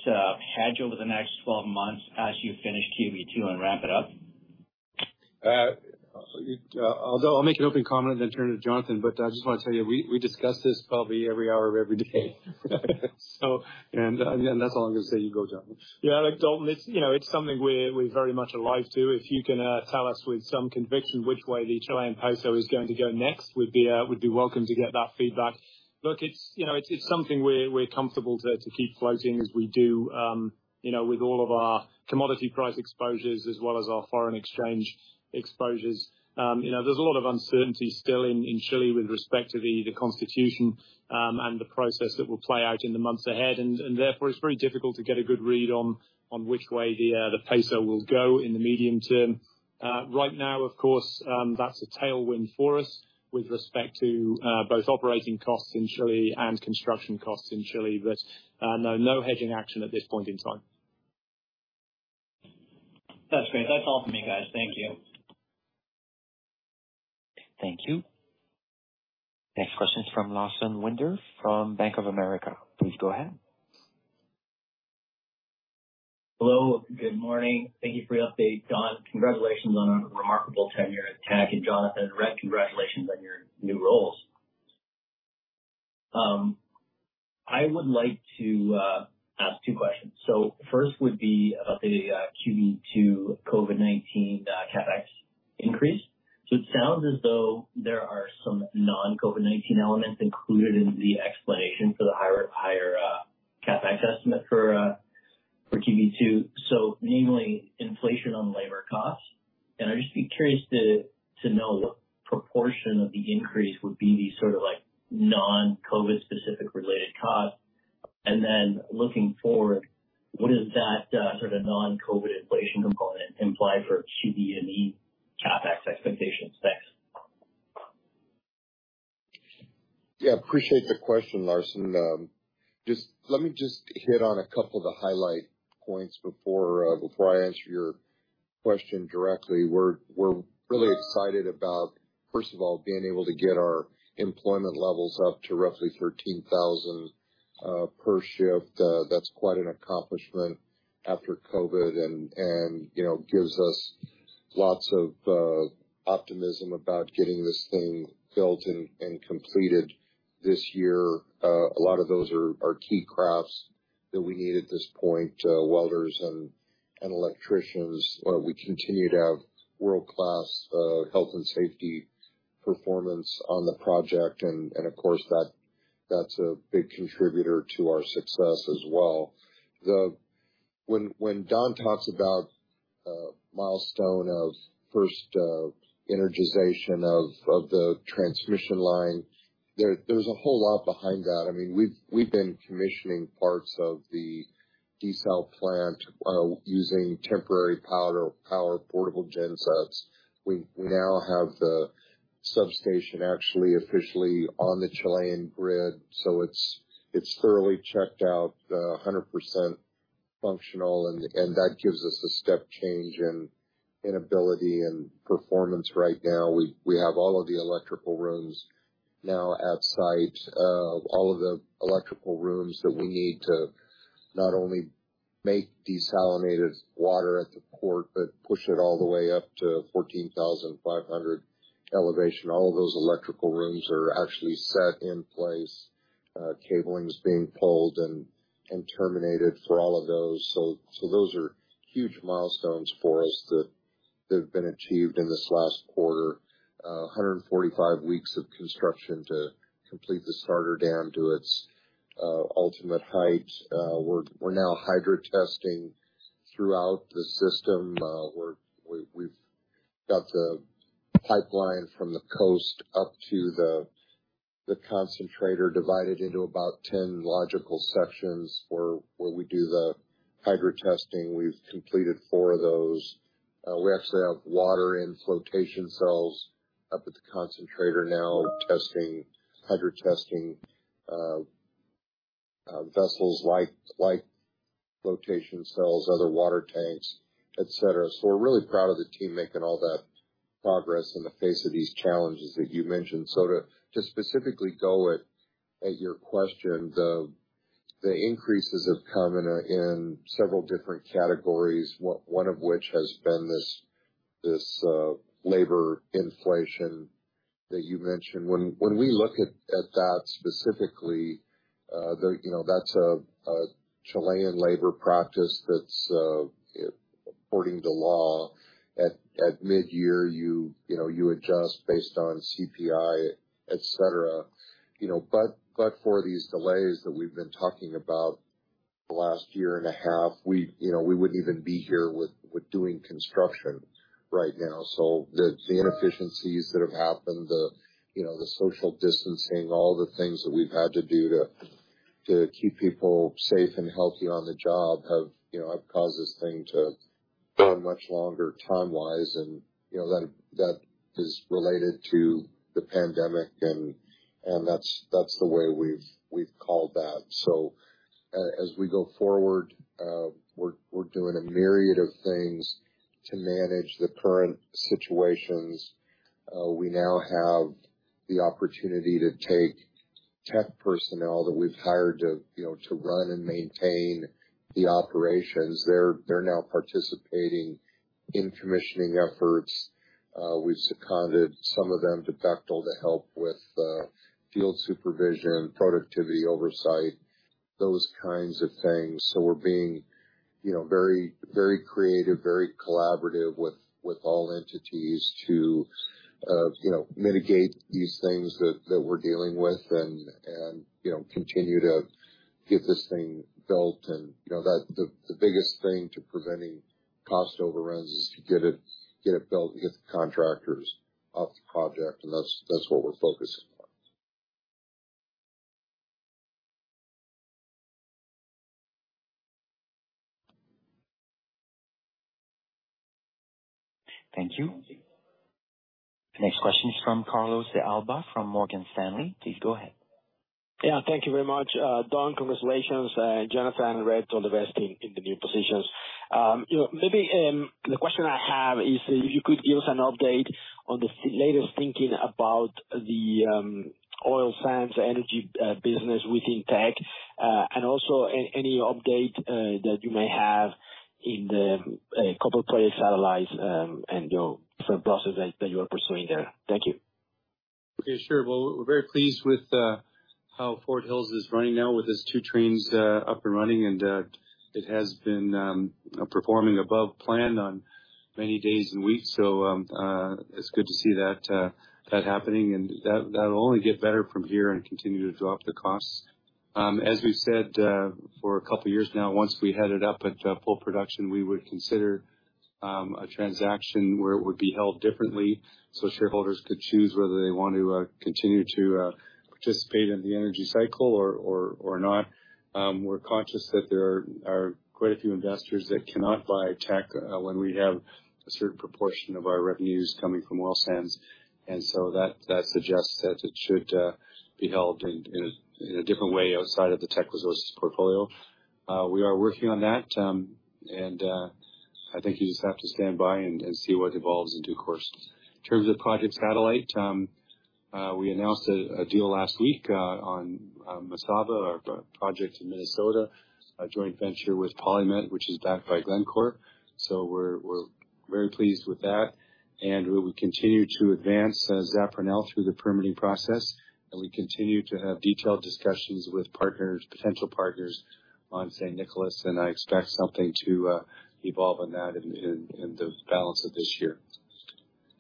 F: to hedge over the next 12 months as you finish QB2 and wrap it up?
C: Although I'll make an opening comment and then turn to Jonathan, but I just want to tell you, we discussed this probably every hour of every day. And that's all I'm gonna say. You go, Jonathan.
D: Yeah. Look, Dalton, it's, you know, it's something we're very much alive to. If you can tell us with some conviction which way the Chilean peso is going to go next, we'd be welcome to get that feedback. Look, it's, you know, it's something we're comfortable to keep floating as we do, you know, with all of our commodity price exposures as well as our foreign exchange exposures. You know, there's a lot of uncertainty still in Chile with respect to the Constitution, and the process that will play out in the months ahead. Therefore it's very difficult to get a good read on which way the peso will go in the medium term. Right now, of course, that's a tailwind for us with respect to both operating costs in Chile and construction costs in Chile. No hedging action at this point in time.
F: That's great. That's all for me, guys. Thank you.
A: Thank you. Next question is from Lawson Winder from Bank of America. Please go ahead.
H: Hello, good morning. Thank you for the update. Don, congratulations on a remarkable tenure at Teck. Jonathan and Red, congratulations on your new roles. I would like to ask two questions. First would be about the QB2 COVID-19 CapEx increase. It sounds as though there are some non-COVID-19 elements included in the explanation for the higher CapEx estimate for QB2. Namely, inflation on labor costs. I'd just be curious to know what proportion of the increase would be the sort of like non-COVID specific related costs. Then looking forward, what does that sort of non-COVID inflation component imply for QBME CapEx expectations? Thanks.
G: Yeah, appreciate the question, Lawson. Just let me hit on a couple of the highlight points before I answer your question directly. We're really excited about, first of all, being able to get our employment levels up to roughly 13,000 per shift. That's quite an accomplishment after COVID and you know, gives us lots of optimism about getting this thing built and completed this year. A lot of those are key crafts that we need at this point, welders and electricians. We continue to have world-class health and safety performance on the project. Of course, that's a big contributor to our success as well. When Don talks about a milestone of first energization of the transmission line, there's a whole lot behind that. I mean, we've been commissioning parts of the desal plant by using temporary power portable gensets. We now have the substation actually officially on the Chilean grid, so it's thoroughly checked out, 100% functional and that gives us a step change in ability and performance right now. We have all of the electrical rooms now at site. All of the electrical rooms that we need to not only make desalinated water at the port, but push it all the way up to 14,500 elevation. All of those electrical rooms are actually set in place. Cabling is being pulled and terminated for all of those. So those are huge milestones for us that have been achieved in this last quarter. 145 weeks of construction to complete the starter dam to its ultimate height. We're now hydro testing throughout the system. We've got the pipeline from the coast up to the concentrator divided into about 10 logical sections for where we do the hydro testing. We've completed four of those. We actually have water in flotation cells up at the concentrator now hydro testing vessels like flotation cells, other water tanks, et cetera. We're really proud of the team making all that progress in the face of these challenges that you mentioned. To specifically get at your question, the increases have come in in several different categories, one of which has been this labor inflation that you mentioned. When we look at that specifically, you know, that's a Chilean labor practice that's according to law. At midyear, you know, you adjust based on CPI, et cetera. You know, for these delays that we've been talking about the last year and a half, you know, we wouldn't even be here with doing construction right now. The inefficiencies that have happened, you know, the social distancing, all the things that we've had to do to keep people safe and healthy on the job have caused this thing to run much longer timewise. You know, that is related to the pandemic and that's the way we've called that. As we go forward, we're doing a myriad of things to manage the current situations. We now have the opportunity to take Teck personnel that we've hired to, you know, to run and maintain the operations. They're now participating in commissioning efforts. We've seconded some of them to Bechtel to help with field supervision, productivity oversight, those kinds of things. We're being, you know, very, very creative, very collaborative with all entities to, you know, mitigate these things that we're dealing with and you know, continue to get this thing built. You know, that's the biggest thing to preventing cost overruns is to get it built and get the contractors off the project. That's what we're focusing on.
A: Thank you. The next question is from Carlos de Alba from Morgan Stanley. Please go ahead.
I: Yeah. Thank you very much, Don. Congratulations, Jonathan and Red on the new positions. You know, maybe the question I have is if you could give us an update on the latest thinking about the oil sands energy business within Teck, and also any update that you may have in the copper growth portfolio, and your processes that you are pursuing there. Thank you.
C: Okay. Sure. Well, we're very pleased with how Fort Hills is running now with its 2 trains up and running. It has been performing above plan on many days and weeks, so it's good to see that happening. That'll only get better from here and continue to drop the costs. As we've said for a couple years now, once we ramped up to full production, we would consider a transaction where it would be held differently, so shareholders could choose whether they want to continue to participate in the energy cycle or not. We're conscious that there are quite a few investors that cannot buy Teck when we have a certain proportion of our revenues coming from oil sands. That suggests that it should be held in a different way outside of the Teck Resources portfolio. We are working on that. I think you just have to stand by and see what evolves in due course. In terms of Project Satellite, we announced a deal last week on Mesaba, our project in Minnesota, a joint venture with PolyMet, which is backed by Glencore. We're very pleased with that. We will continue to advance Zafranal through the permitting process. We continue to have detailed discussions with partners, potential partners on San Nicolás, and I expect something to evolve on that in the balance of this year.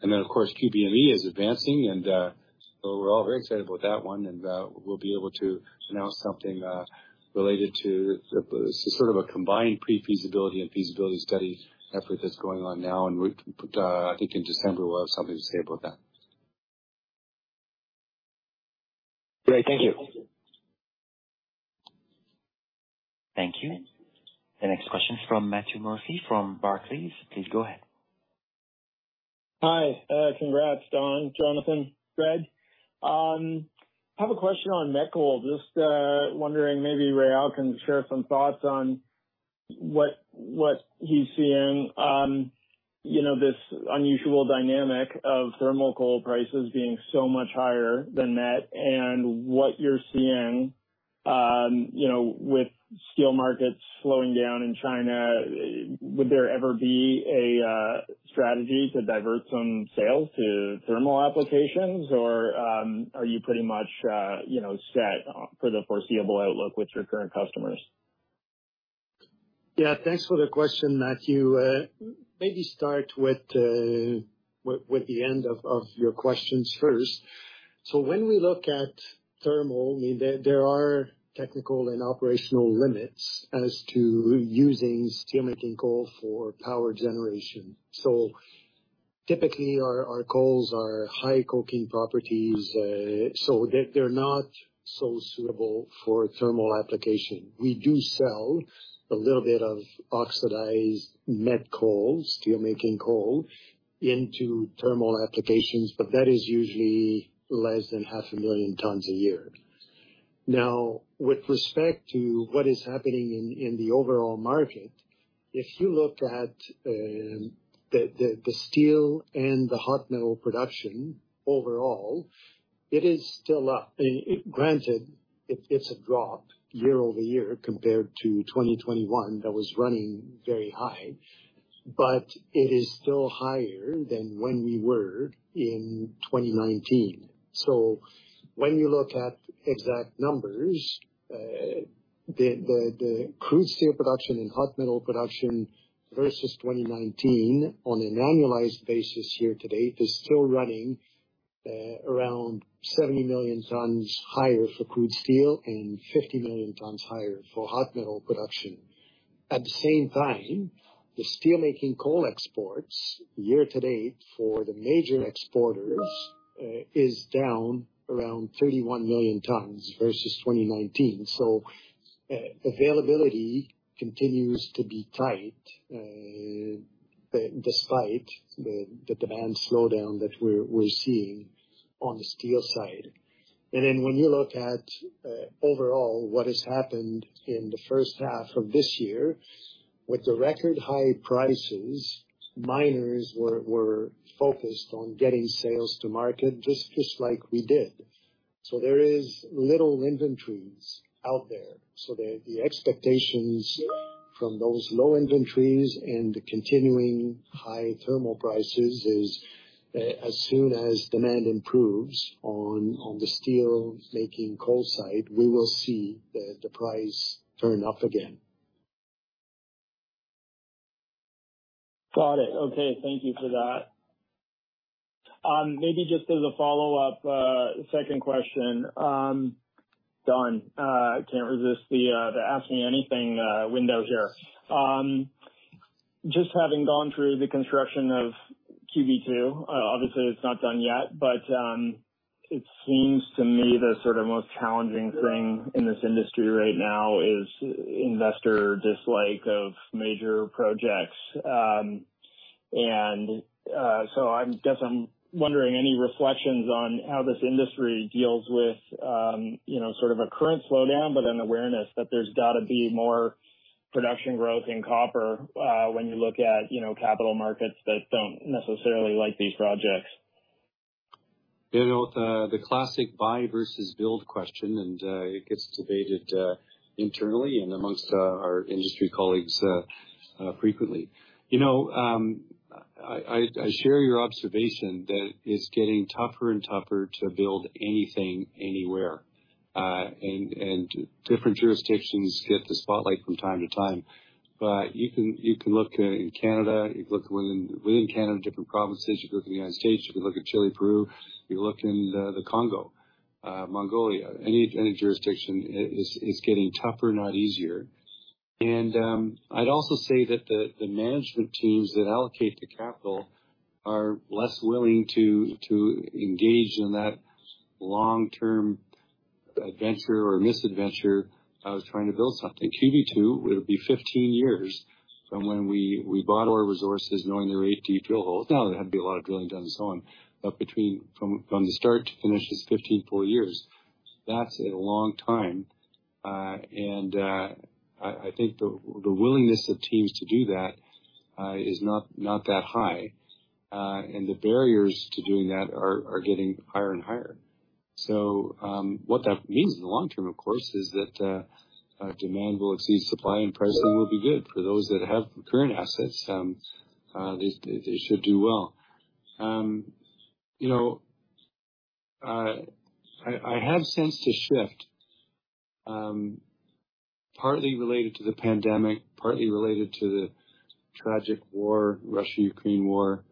C: Of course, QB2 is advancing, so we're all very excited about that one. We'll be able to announce something related to the sort of a combined pre-feasibility and feasibility study effort that's going on now. I think in December we'll have something to say about that.
I: Great. Thank you.
A: Thank you. The next question from Matthew Murphy from Barclays. Please go ahead.
J: Hi. Congrats, Don Lindsay, Jonathan Price, Harry Conger. Have a question on metal. Just wondering maybe Réal Foley can share some thoughts on what he's seeing. You know, this unusual dynamic of thermal coal prices being so much higher than met and what you're seeing, you know, with steel markets slowing down in China. Would there ever be a strategy to divert some sales to thermal applications? Or, are you pretty much, you know, set for the foreseeable outlook with your current customers?
K: Yeah. Thanks for the question, Matthew. Maybe start with the end of your questions first. When we look at thermal, I mean, there are technical and operational limits as to using steelmaking coal for power generation. Typically our coals are high coking properties, so they're not so suitable for thermal application. We do sell a little bit of oxidized met coals, steelmaking coal into thermal applications, but that is usually less than 500,000 tons a year. Now, with respect to what is happening in the overall market, if you look at the steel and the hot metal production overall, it is still up. Granted, it's a drop year-over-year compared to 2021 that was running very high, but it is still higher than when we were in 2019. When you look at exact numbers, the crude steel production and hot metal production versus 2019 on an annualized basis year-to-date is still running around 70 million tons higher for crude steel and 50 million tons higher for hot metal production. At the same time, the steelmaking coal exports year-to-date for the major exporters is down around 31 million tons versus 2019. Availability continues to be tight despite the demand slowdown that we're seeing on the steel side. When you look at overall what has happened in the first half of this year with the record high prices, miners were focused on getting sales to market just like we did. There is little inventories out there. The expectations from those low inventories and the continuing high thermal prices is, as soon as demand improves on the steelmaking coal side, we will see the price turn up again.
J: Got it. Okay, thank you for that. Maybe just as a follow-up, second question, Don, I can't resist the ask me anything window here. Just having gone through the construction of QB2, obviously it's not done yet, but it seems to me the sort of most challenging thing in this industry right now is investor dislike of major projects. I'm wondering any reflections on how this industry deals with, you know, sort of a current slowdown, but an awareness that there's gotta be more production growth in copper, when you look at, you know, capital markets that don't necessarily like these projects.
C: You know, the classic buy versus build question, and it gets debated internally and among our industry colleagues frequently. You know, I share your observation that it's getting tougher and tougher to build anything anywhere, and different jurisdictions get the spotlight from time to time. You can look in Canada, you can look within Canada, different provinces. You can look at the United States, you can look at Chile, Peru, you can look in the Congo, Mongolia. Any jurisdiction is getting tougher, not easier. I'd also say that the management teams that allocate the capital are less willing to engage in that long-term adventure or misadventure of trying to build something. QB 2, it'll be 15 years from when we bought Aur resources knowing there were 18 drill holes. Now there had to be a lot of drilling done and so on. From the start to finish, it's 15 full years. That's a long time. I think the willingness of teams to do that is not that high. The barriers to doing that are getting higher and higher. What that means in the long-term, of course, is that demand will exceed supply and pricing will be good for those that have current assets. They should do well. You know, I have sensed a shift, partly related to the pandemic, partly related to the tragic war, Russia-Ukraine war,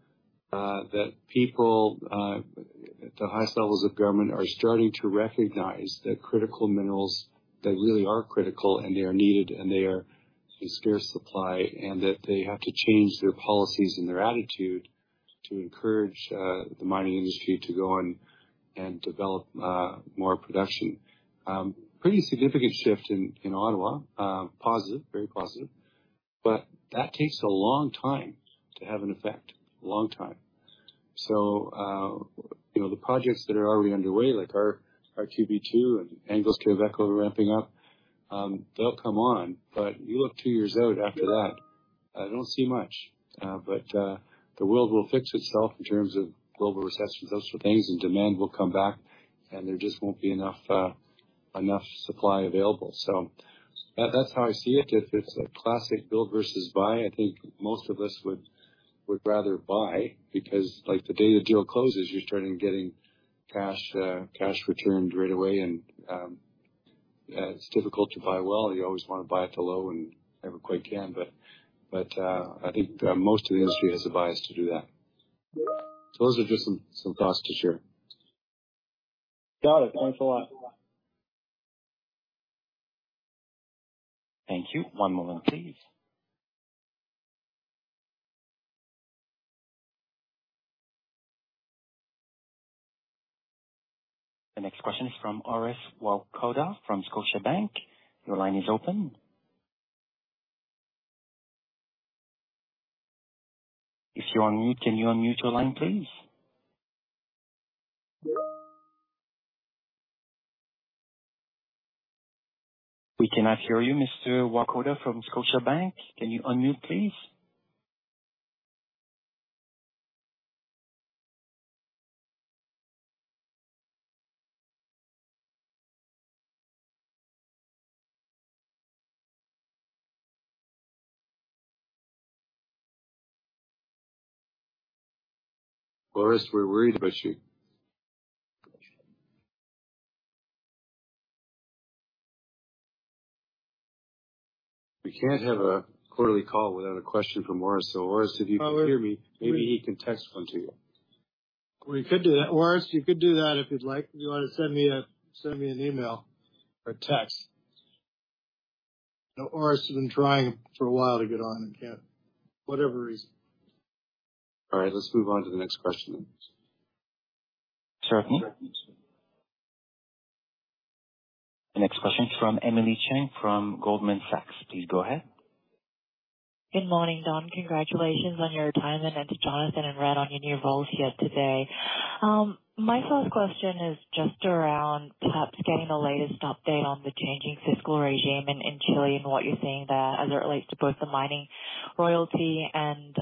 C: that people at the highest levels of government are starting to recognize that critical minerals, they really are critical, and they are needed, and they are in scarce supply, and that they have to change their policies and their attitude to encourage the mining industry to go and develop more production. Pretty significant shift in Ottawa. Positive, very positive. That takes a long time to have an effect. A long time. You know, the projects that are already underway, like our QB2 and Anglo's Quellaveco ramping up, they'll come on. You look two years out after that, I don't see much. The world will fix itself in terms of global recessions, those sort of things, and demand will come back, and there just won't be enough supply available. That's how I see it. If it's a classic build versus buy, I think most of us would rather buy, because, like, the day the deal closes, you're starting getting cash returned right away and, Yeah, it's difficult to buy well. You always wanna buy it too low and never quite can, but I think most of the industry has a bias to do that. Those are just some thoughts to share.
J: Got it. Thanks a lot.
A: Thank you. One moment please. The next question is from Orest Wowkodaw from Scotiabank. Your line is open. If you're on mute, can you unmute your line, please? We cannot hear you, Mr. Wowkodaw from Scotiabank. Can you unmute, please?
C: Orest, we're worried about you. We can't have a quarterly call without a question from Orest. Orest, if you can hear me, maybe he can text one to you.
B: We could do that. Orest, you could do that if you'd like. If you wanna send me an email or text. Orest has been trying for a while to get on and can't, whatever reason.
C: All right, let's move on to the next question.
A: Sure. The next question is from Emily Chang from Goldman Sachs. Please go ahead.
L: Good morning, Don. Congratulations on your retirement, and to Jonathan and Red on your new roles here today. My first question is just around perhaps getting the latest update on the changing fiscal regime in Chile and what you're seeing there as it relates to both the mining royalty and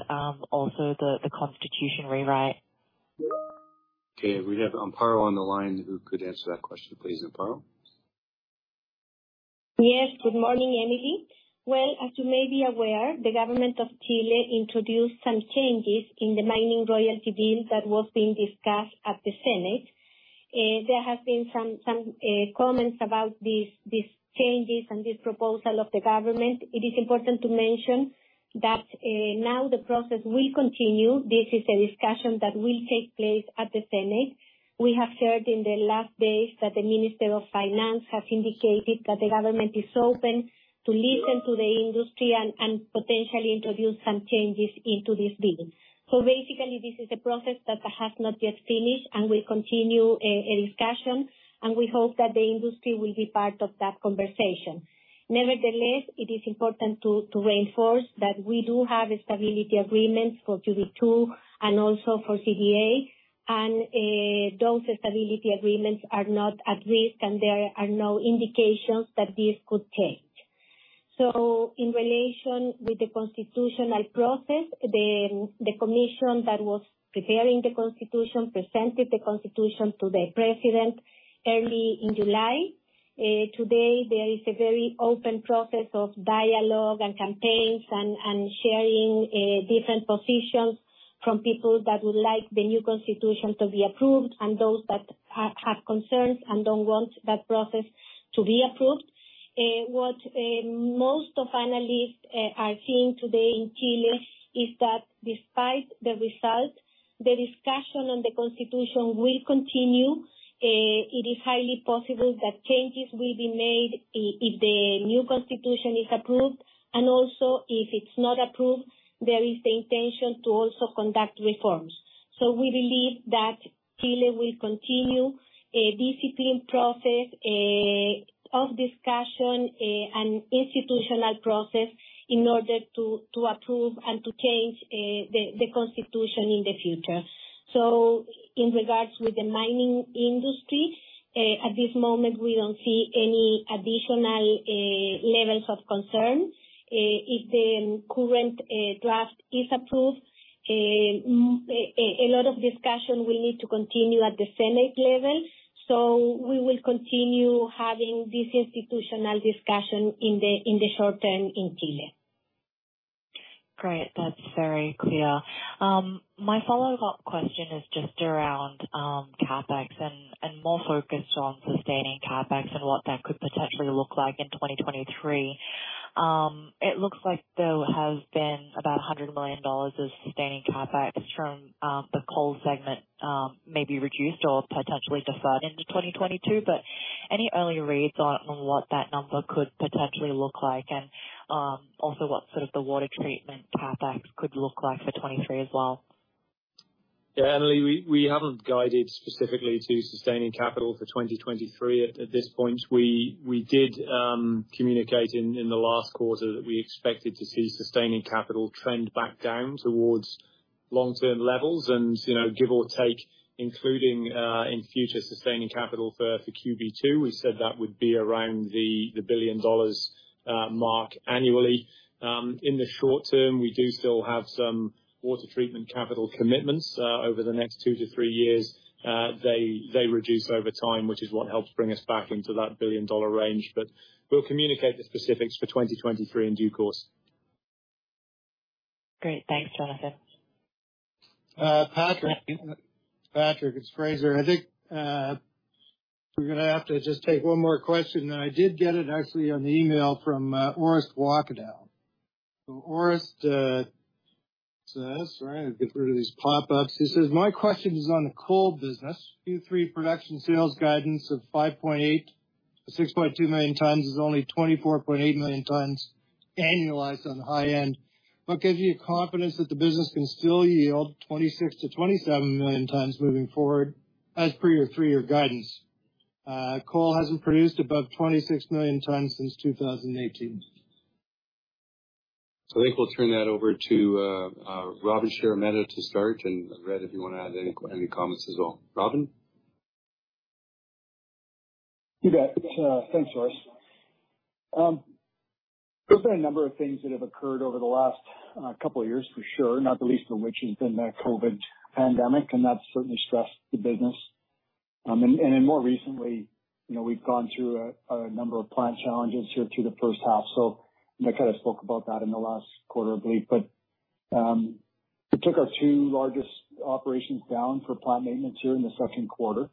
L: also the constitution rewrite.
C: Okay. We have Amparo on the line who could answer that question, please. Amparo?
M: Yes, good morning, Emily. Well, as you may be aware, the government of Chile introduced some changes in the mining royalty bill that was being discussed at the Senate. There have been some comments about these changes and this proposal of the government. It is important to mention that now the process will continue. This is a discussion that will take place at the Senate. We have heard in the last days that the Ministry of Finance has indicated that the government is open to listen to the industry and potentially introduce some changes into this bill. Basically, this is a process that has not yet finished and will continue a discussion, and we hope that the industry will be part of that conversation. Nevertheless, it is important to reinforce that we do have stability agreements for QB2 and also for CDA. Those stability agreements are not at risk, and there are no indications that this could change. In relation with the constitutional process, the commission that was preparing the constitution presented the constitution to the president early in July. Today there is a very open process of dialogue and campaigns and sharing different positions from people that would like the new constitution to be approved and those that have concerns and don't want that process to be approved. What most analysts are seeing today in Chile is that despite the result, the discussion on the constitution will continue. It is highly possible that changes will be made if the new constitution is approved. Also, if it's not approved, there is the intention to also conduct reforms. We believe that Chile will continue a disciplined process of discussion and institutional process in order to approve and to change the constitution in the future. In regards with the mining industry, at this moment, we don't see any additional levels of concern. If the current draft is approved, a lot of discussion will need to continue at the Senate level, so we will continue having this institutional discussion in the short-term in Chile.
L: Great. That's very clear. My follow-up question is just around CapEx and more focused on sustaining CapEx and what that could potentially look like in 2023. It looks like there has been about 100 million dollars of sustaining CapEx from the coal segment, maybe reduced or potentially deferred into 2022. Any early reads on what that number could potentially look like? And also what sort of the water treatment CapEx could look like for 2023 as well?
D: Yeah, Emily, we haven't guided specifically to sustaining capital for 2023 at this point. We did communicate in the last quarter that we expected to see sustaining capital trend back down towards long-term levels. You know, give or take, including in future sustaining capital for QB2, we said that would be around the $1 billion mark annually. In the short-term, we do still have some water treatment capital commitments over the next two to three years. They reduce over time, which is what helps bring us back into that $1 billion range. We'll communicate the specifics for 2023 in due course.
L: Great. Thanks, Jonathan.
B: Patrick. Patrick, it's Fraser. I think we're gonna have to just take one more question, and I did get it actually on the email from Orest Wowkodaw. Orest says, "My question is on the coal business. Q3 production sales guidance of 5.8-6.2 million tons is only 24.8 million tons annualized on the high end. What gives you confidence that the business can still yield 26-27 million tons moving forward, as per your three-year guidance? Coal hasn't produced above 26 million tons since 2018.
C: I think we'll turn that over to Robin Sheremeta to start, and Red, if you wanna add any comments as well. Robin?
N: You bet. Thanks, Orest. There's been a number of things that have occurred over the last couple years for sure, not the least of which has been the COVID pandemic, and that's certainly stressed the business. And then more recently, you know, we've gone through a number of plant challenges here through the first half, so Nick kinda spoke about that in the last quarter, I believe. It took our two largest operations down for plant maintenance here in the second quarter.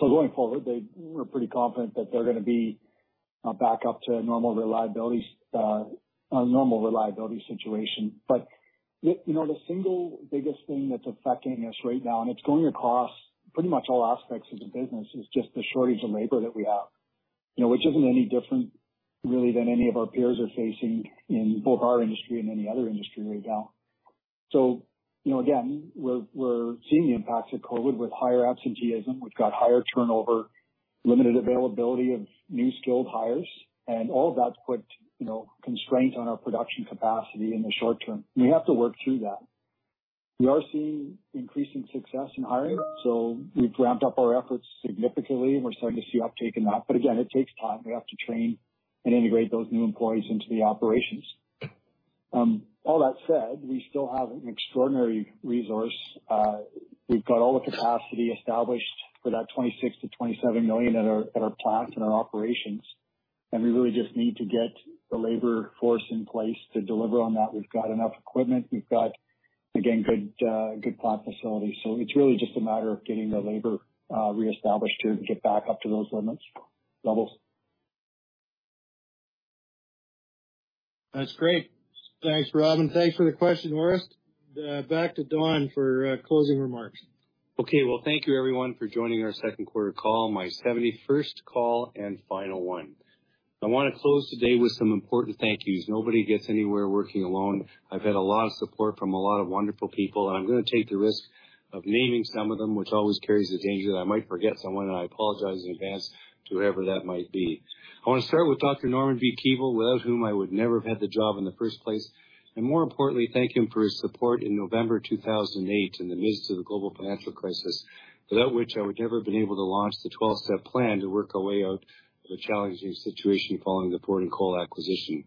N: Going forward, we're pretty confident that they're gonna be back up to normal reliability situation. You know, the single biggest thing that's affecting us right now, and it's going across pretty much all aspects of the business, is just the shortage of labor that we have, you know, which isn't any different really than any of our peers are facing in both our industry and any other industry right now. You know, again, we're seeing the impacts of COVID with higher absenteeism. We've got higher turnover, limited availability of new skilled hires, and all of that's put, you know, constraints on our production capacity in the short-term. We have to work through that. We are seeing increasing success in hiring, so we've ramped up our efforts significantly, and we're starting to see uptake in that. Again, it takes time. We have to train and integrate those new employees into the operations. All that said, we still have an extraordinary resource. We've got all the capacity established for that 26-27 million at our plants and our operations, and we really just need to get the labor force in place to deliver on that. We've got enough equipment. We've got, again, good plant facilities. It's really just a matter of getting the labor reestablished to get back up to those levels.
B: That's great. Thanks, Robin. Thanks for the question, Orest. Back to Don for closing remarks.
C: Okay. Well, thank you everyone for joining our second quarter call, my 71st call and final one. I wanna close today with some important thank yous. Nobody gets anywhere working alone. I've had a lot of support from a lot of wonderful people, and I'm gonna take the risk of naming some of them, which always carries the danger that I might forget someone, and I apologize in advance to whoever that might be. I wanna start with Dr. Norman B. Keevil, without whom I would never have had the job in the first place, and more importantly, thank him for his support in November 2008 in the midst of the global financial crisis, without which I would never have been able to launch the 12-step plan to work our way out of a challenging situation following the Fording Coal acquisition.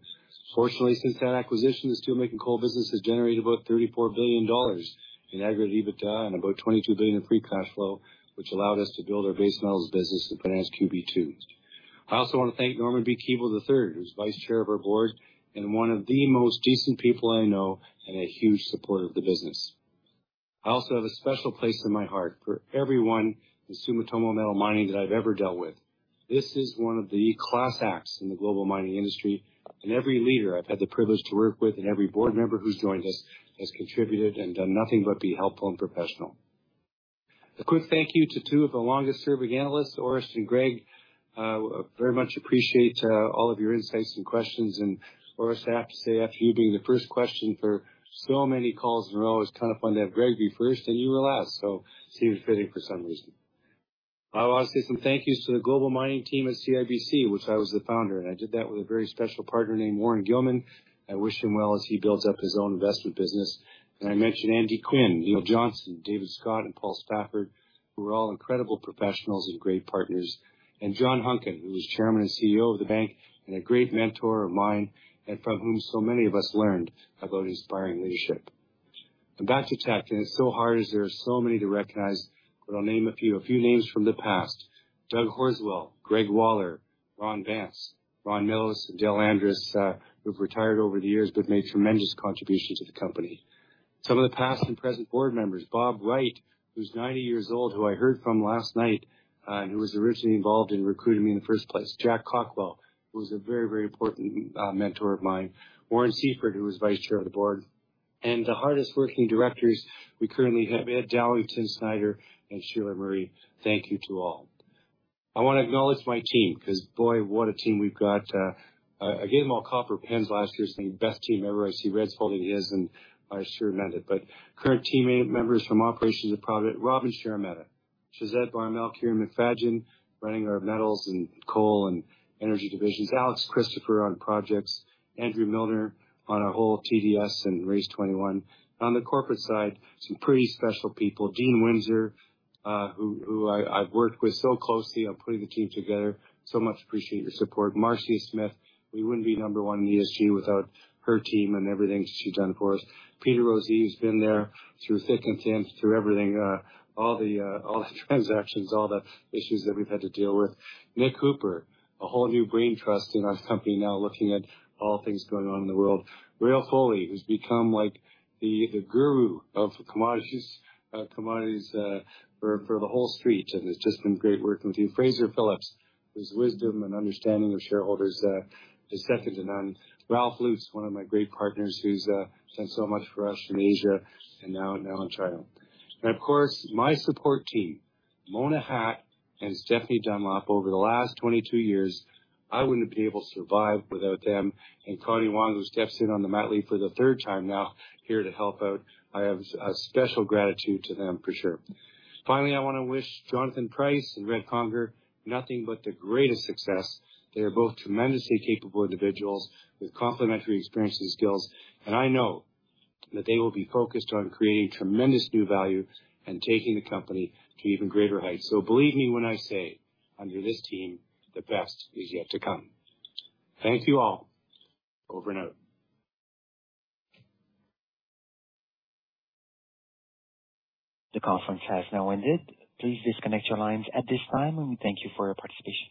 C: Fortunately, since that acquisition, the steelmaking coal business has generated about $34 billion in aggregate EBITDA and about $22 billion in free cash flow, which allowed us to build our base metals business and finance QB2. I also wanna thank Norman B. Keevil III, who's Vice Chair of our board and one of the most decent people I know and a huge supporter of the business. I also have a special place in my heart for everyone in Sumitomo Metal Mining that I've ever dealt with. This is one of the class acts in the global mining industry, and every leader I've had the privilege to work with and every board member who's joined us has contributed and done nothing but be helpful and professional. A quick thank you to two of the longest serving analysts, Orest and Greg. Very much appreciate all of your insights and questions. Orest, I have to say, after you being the first question for so many calls, and it's always kind of fun to have Greg be first and you will last, so seems fitting for some reason. I wanna say some thank you's to the global mining team at CIBC, which I was the founder, and I did that with a very special partner named Warren Gilman. I wish him well as he builds up his own investment business. Can I mention Andy Quinn, Neil Johnson, David Scott, and Paul Stafford, who are all incredible professionals and great partners. John Hunkin, who was chairman and CEO of the bank and a great mentor of mine and from whom so many of us learned about inspiring leadership. Back to Teck, and it's so hard as there are so many to recognize, but I'll name a few. A few names from the past. Doug Horswill, Greg Waller, Ron Vance, Ron Millos, and Dale Andres, who've retired over the years but made tremendous contributions to the company. Some of the past and present board members, Bob Wright, who's 90 years old, who I heard from last night, and who was originally involved in recruiting me in the first place. Jack Cockwell, who was a very, very important mentor of mine. Warren Seyffert, who was Vice Chair of the board. The hardest working directors we currently have, Ed Dowling, Snyder, and Sheila Murray. Thank you to all. I wanna acknowledge my team, 'cause boy, what a team we've got. I gave them all copper pens last year saying, "Best team ever." I see Red's holding his, and Sheremeta. Current team members from operations and projects, Robin Sheremeta, Shehzad Bharmal, Kieron McFadyen, running our metals and coal and energy divisions. Alex Christopher on projects, Andrew Milner on our whole TDS and RACE21. On the corporate side, some pretty special people. Dean Winsor, who I've worked with so closely on putting the team together. I so much appreciate your support. Marcia Smith, we wouldn't be number one in ESG without her team and everything she's done for us. Peter Rozee's been there through thick and thin, through everything, all the transactions, all the issues that we've had to deal with. Nick Hooper, a whole new brain trust in our company now looking at all things going on in the world. Réal Foley, who's become like the guru of commodities for the whole street, and it's just been great working with you. Fraser Phillips, whose wisdom and understanding of shareholders is second to none. Ralph Lutz, one of my great partners who's done so much for us in Asia and now in China. Of course, my support team, Mona Hatt and Stephanie Dunlop, over the last 22 years, I wouldn't be able to survive without them. Connie Wong, who steps in on the mat leave for the third time now here to help out. I have special gratitude to them for sure. Finally, I wanna wish Jonathan Price and Red Conger nothing but the greatest success. They are both tremendously capable individuals with complementary experiences and skills, and I know that they will be focused on creating tremendous new value and taking the company to even greater heights. Believe me when I say, under this team, the best is yet to come. Thank you all. Over and out.
A: The conference has now ended. Please disconnect your lines at this time, and we thank you for your participation.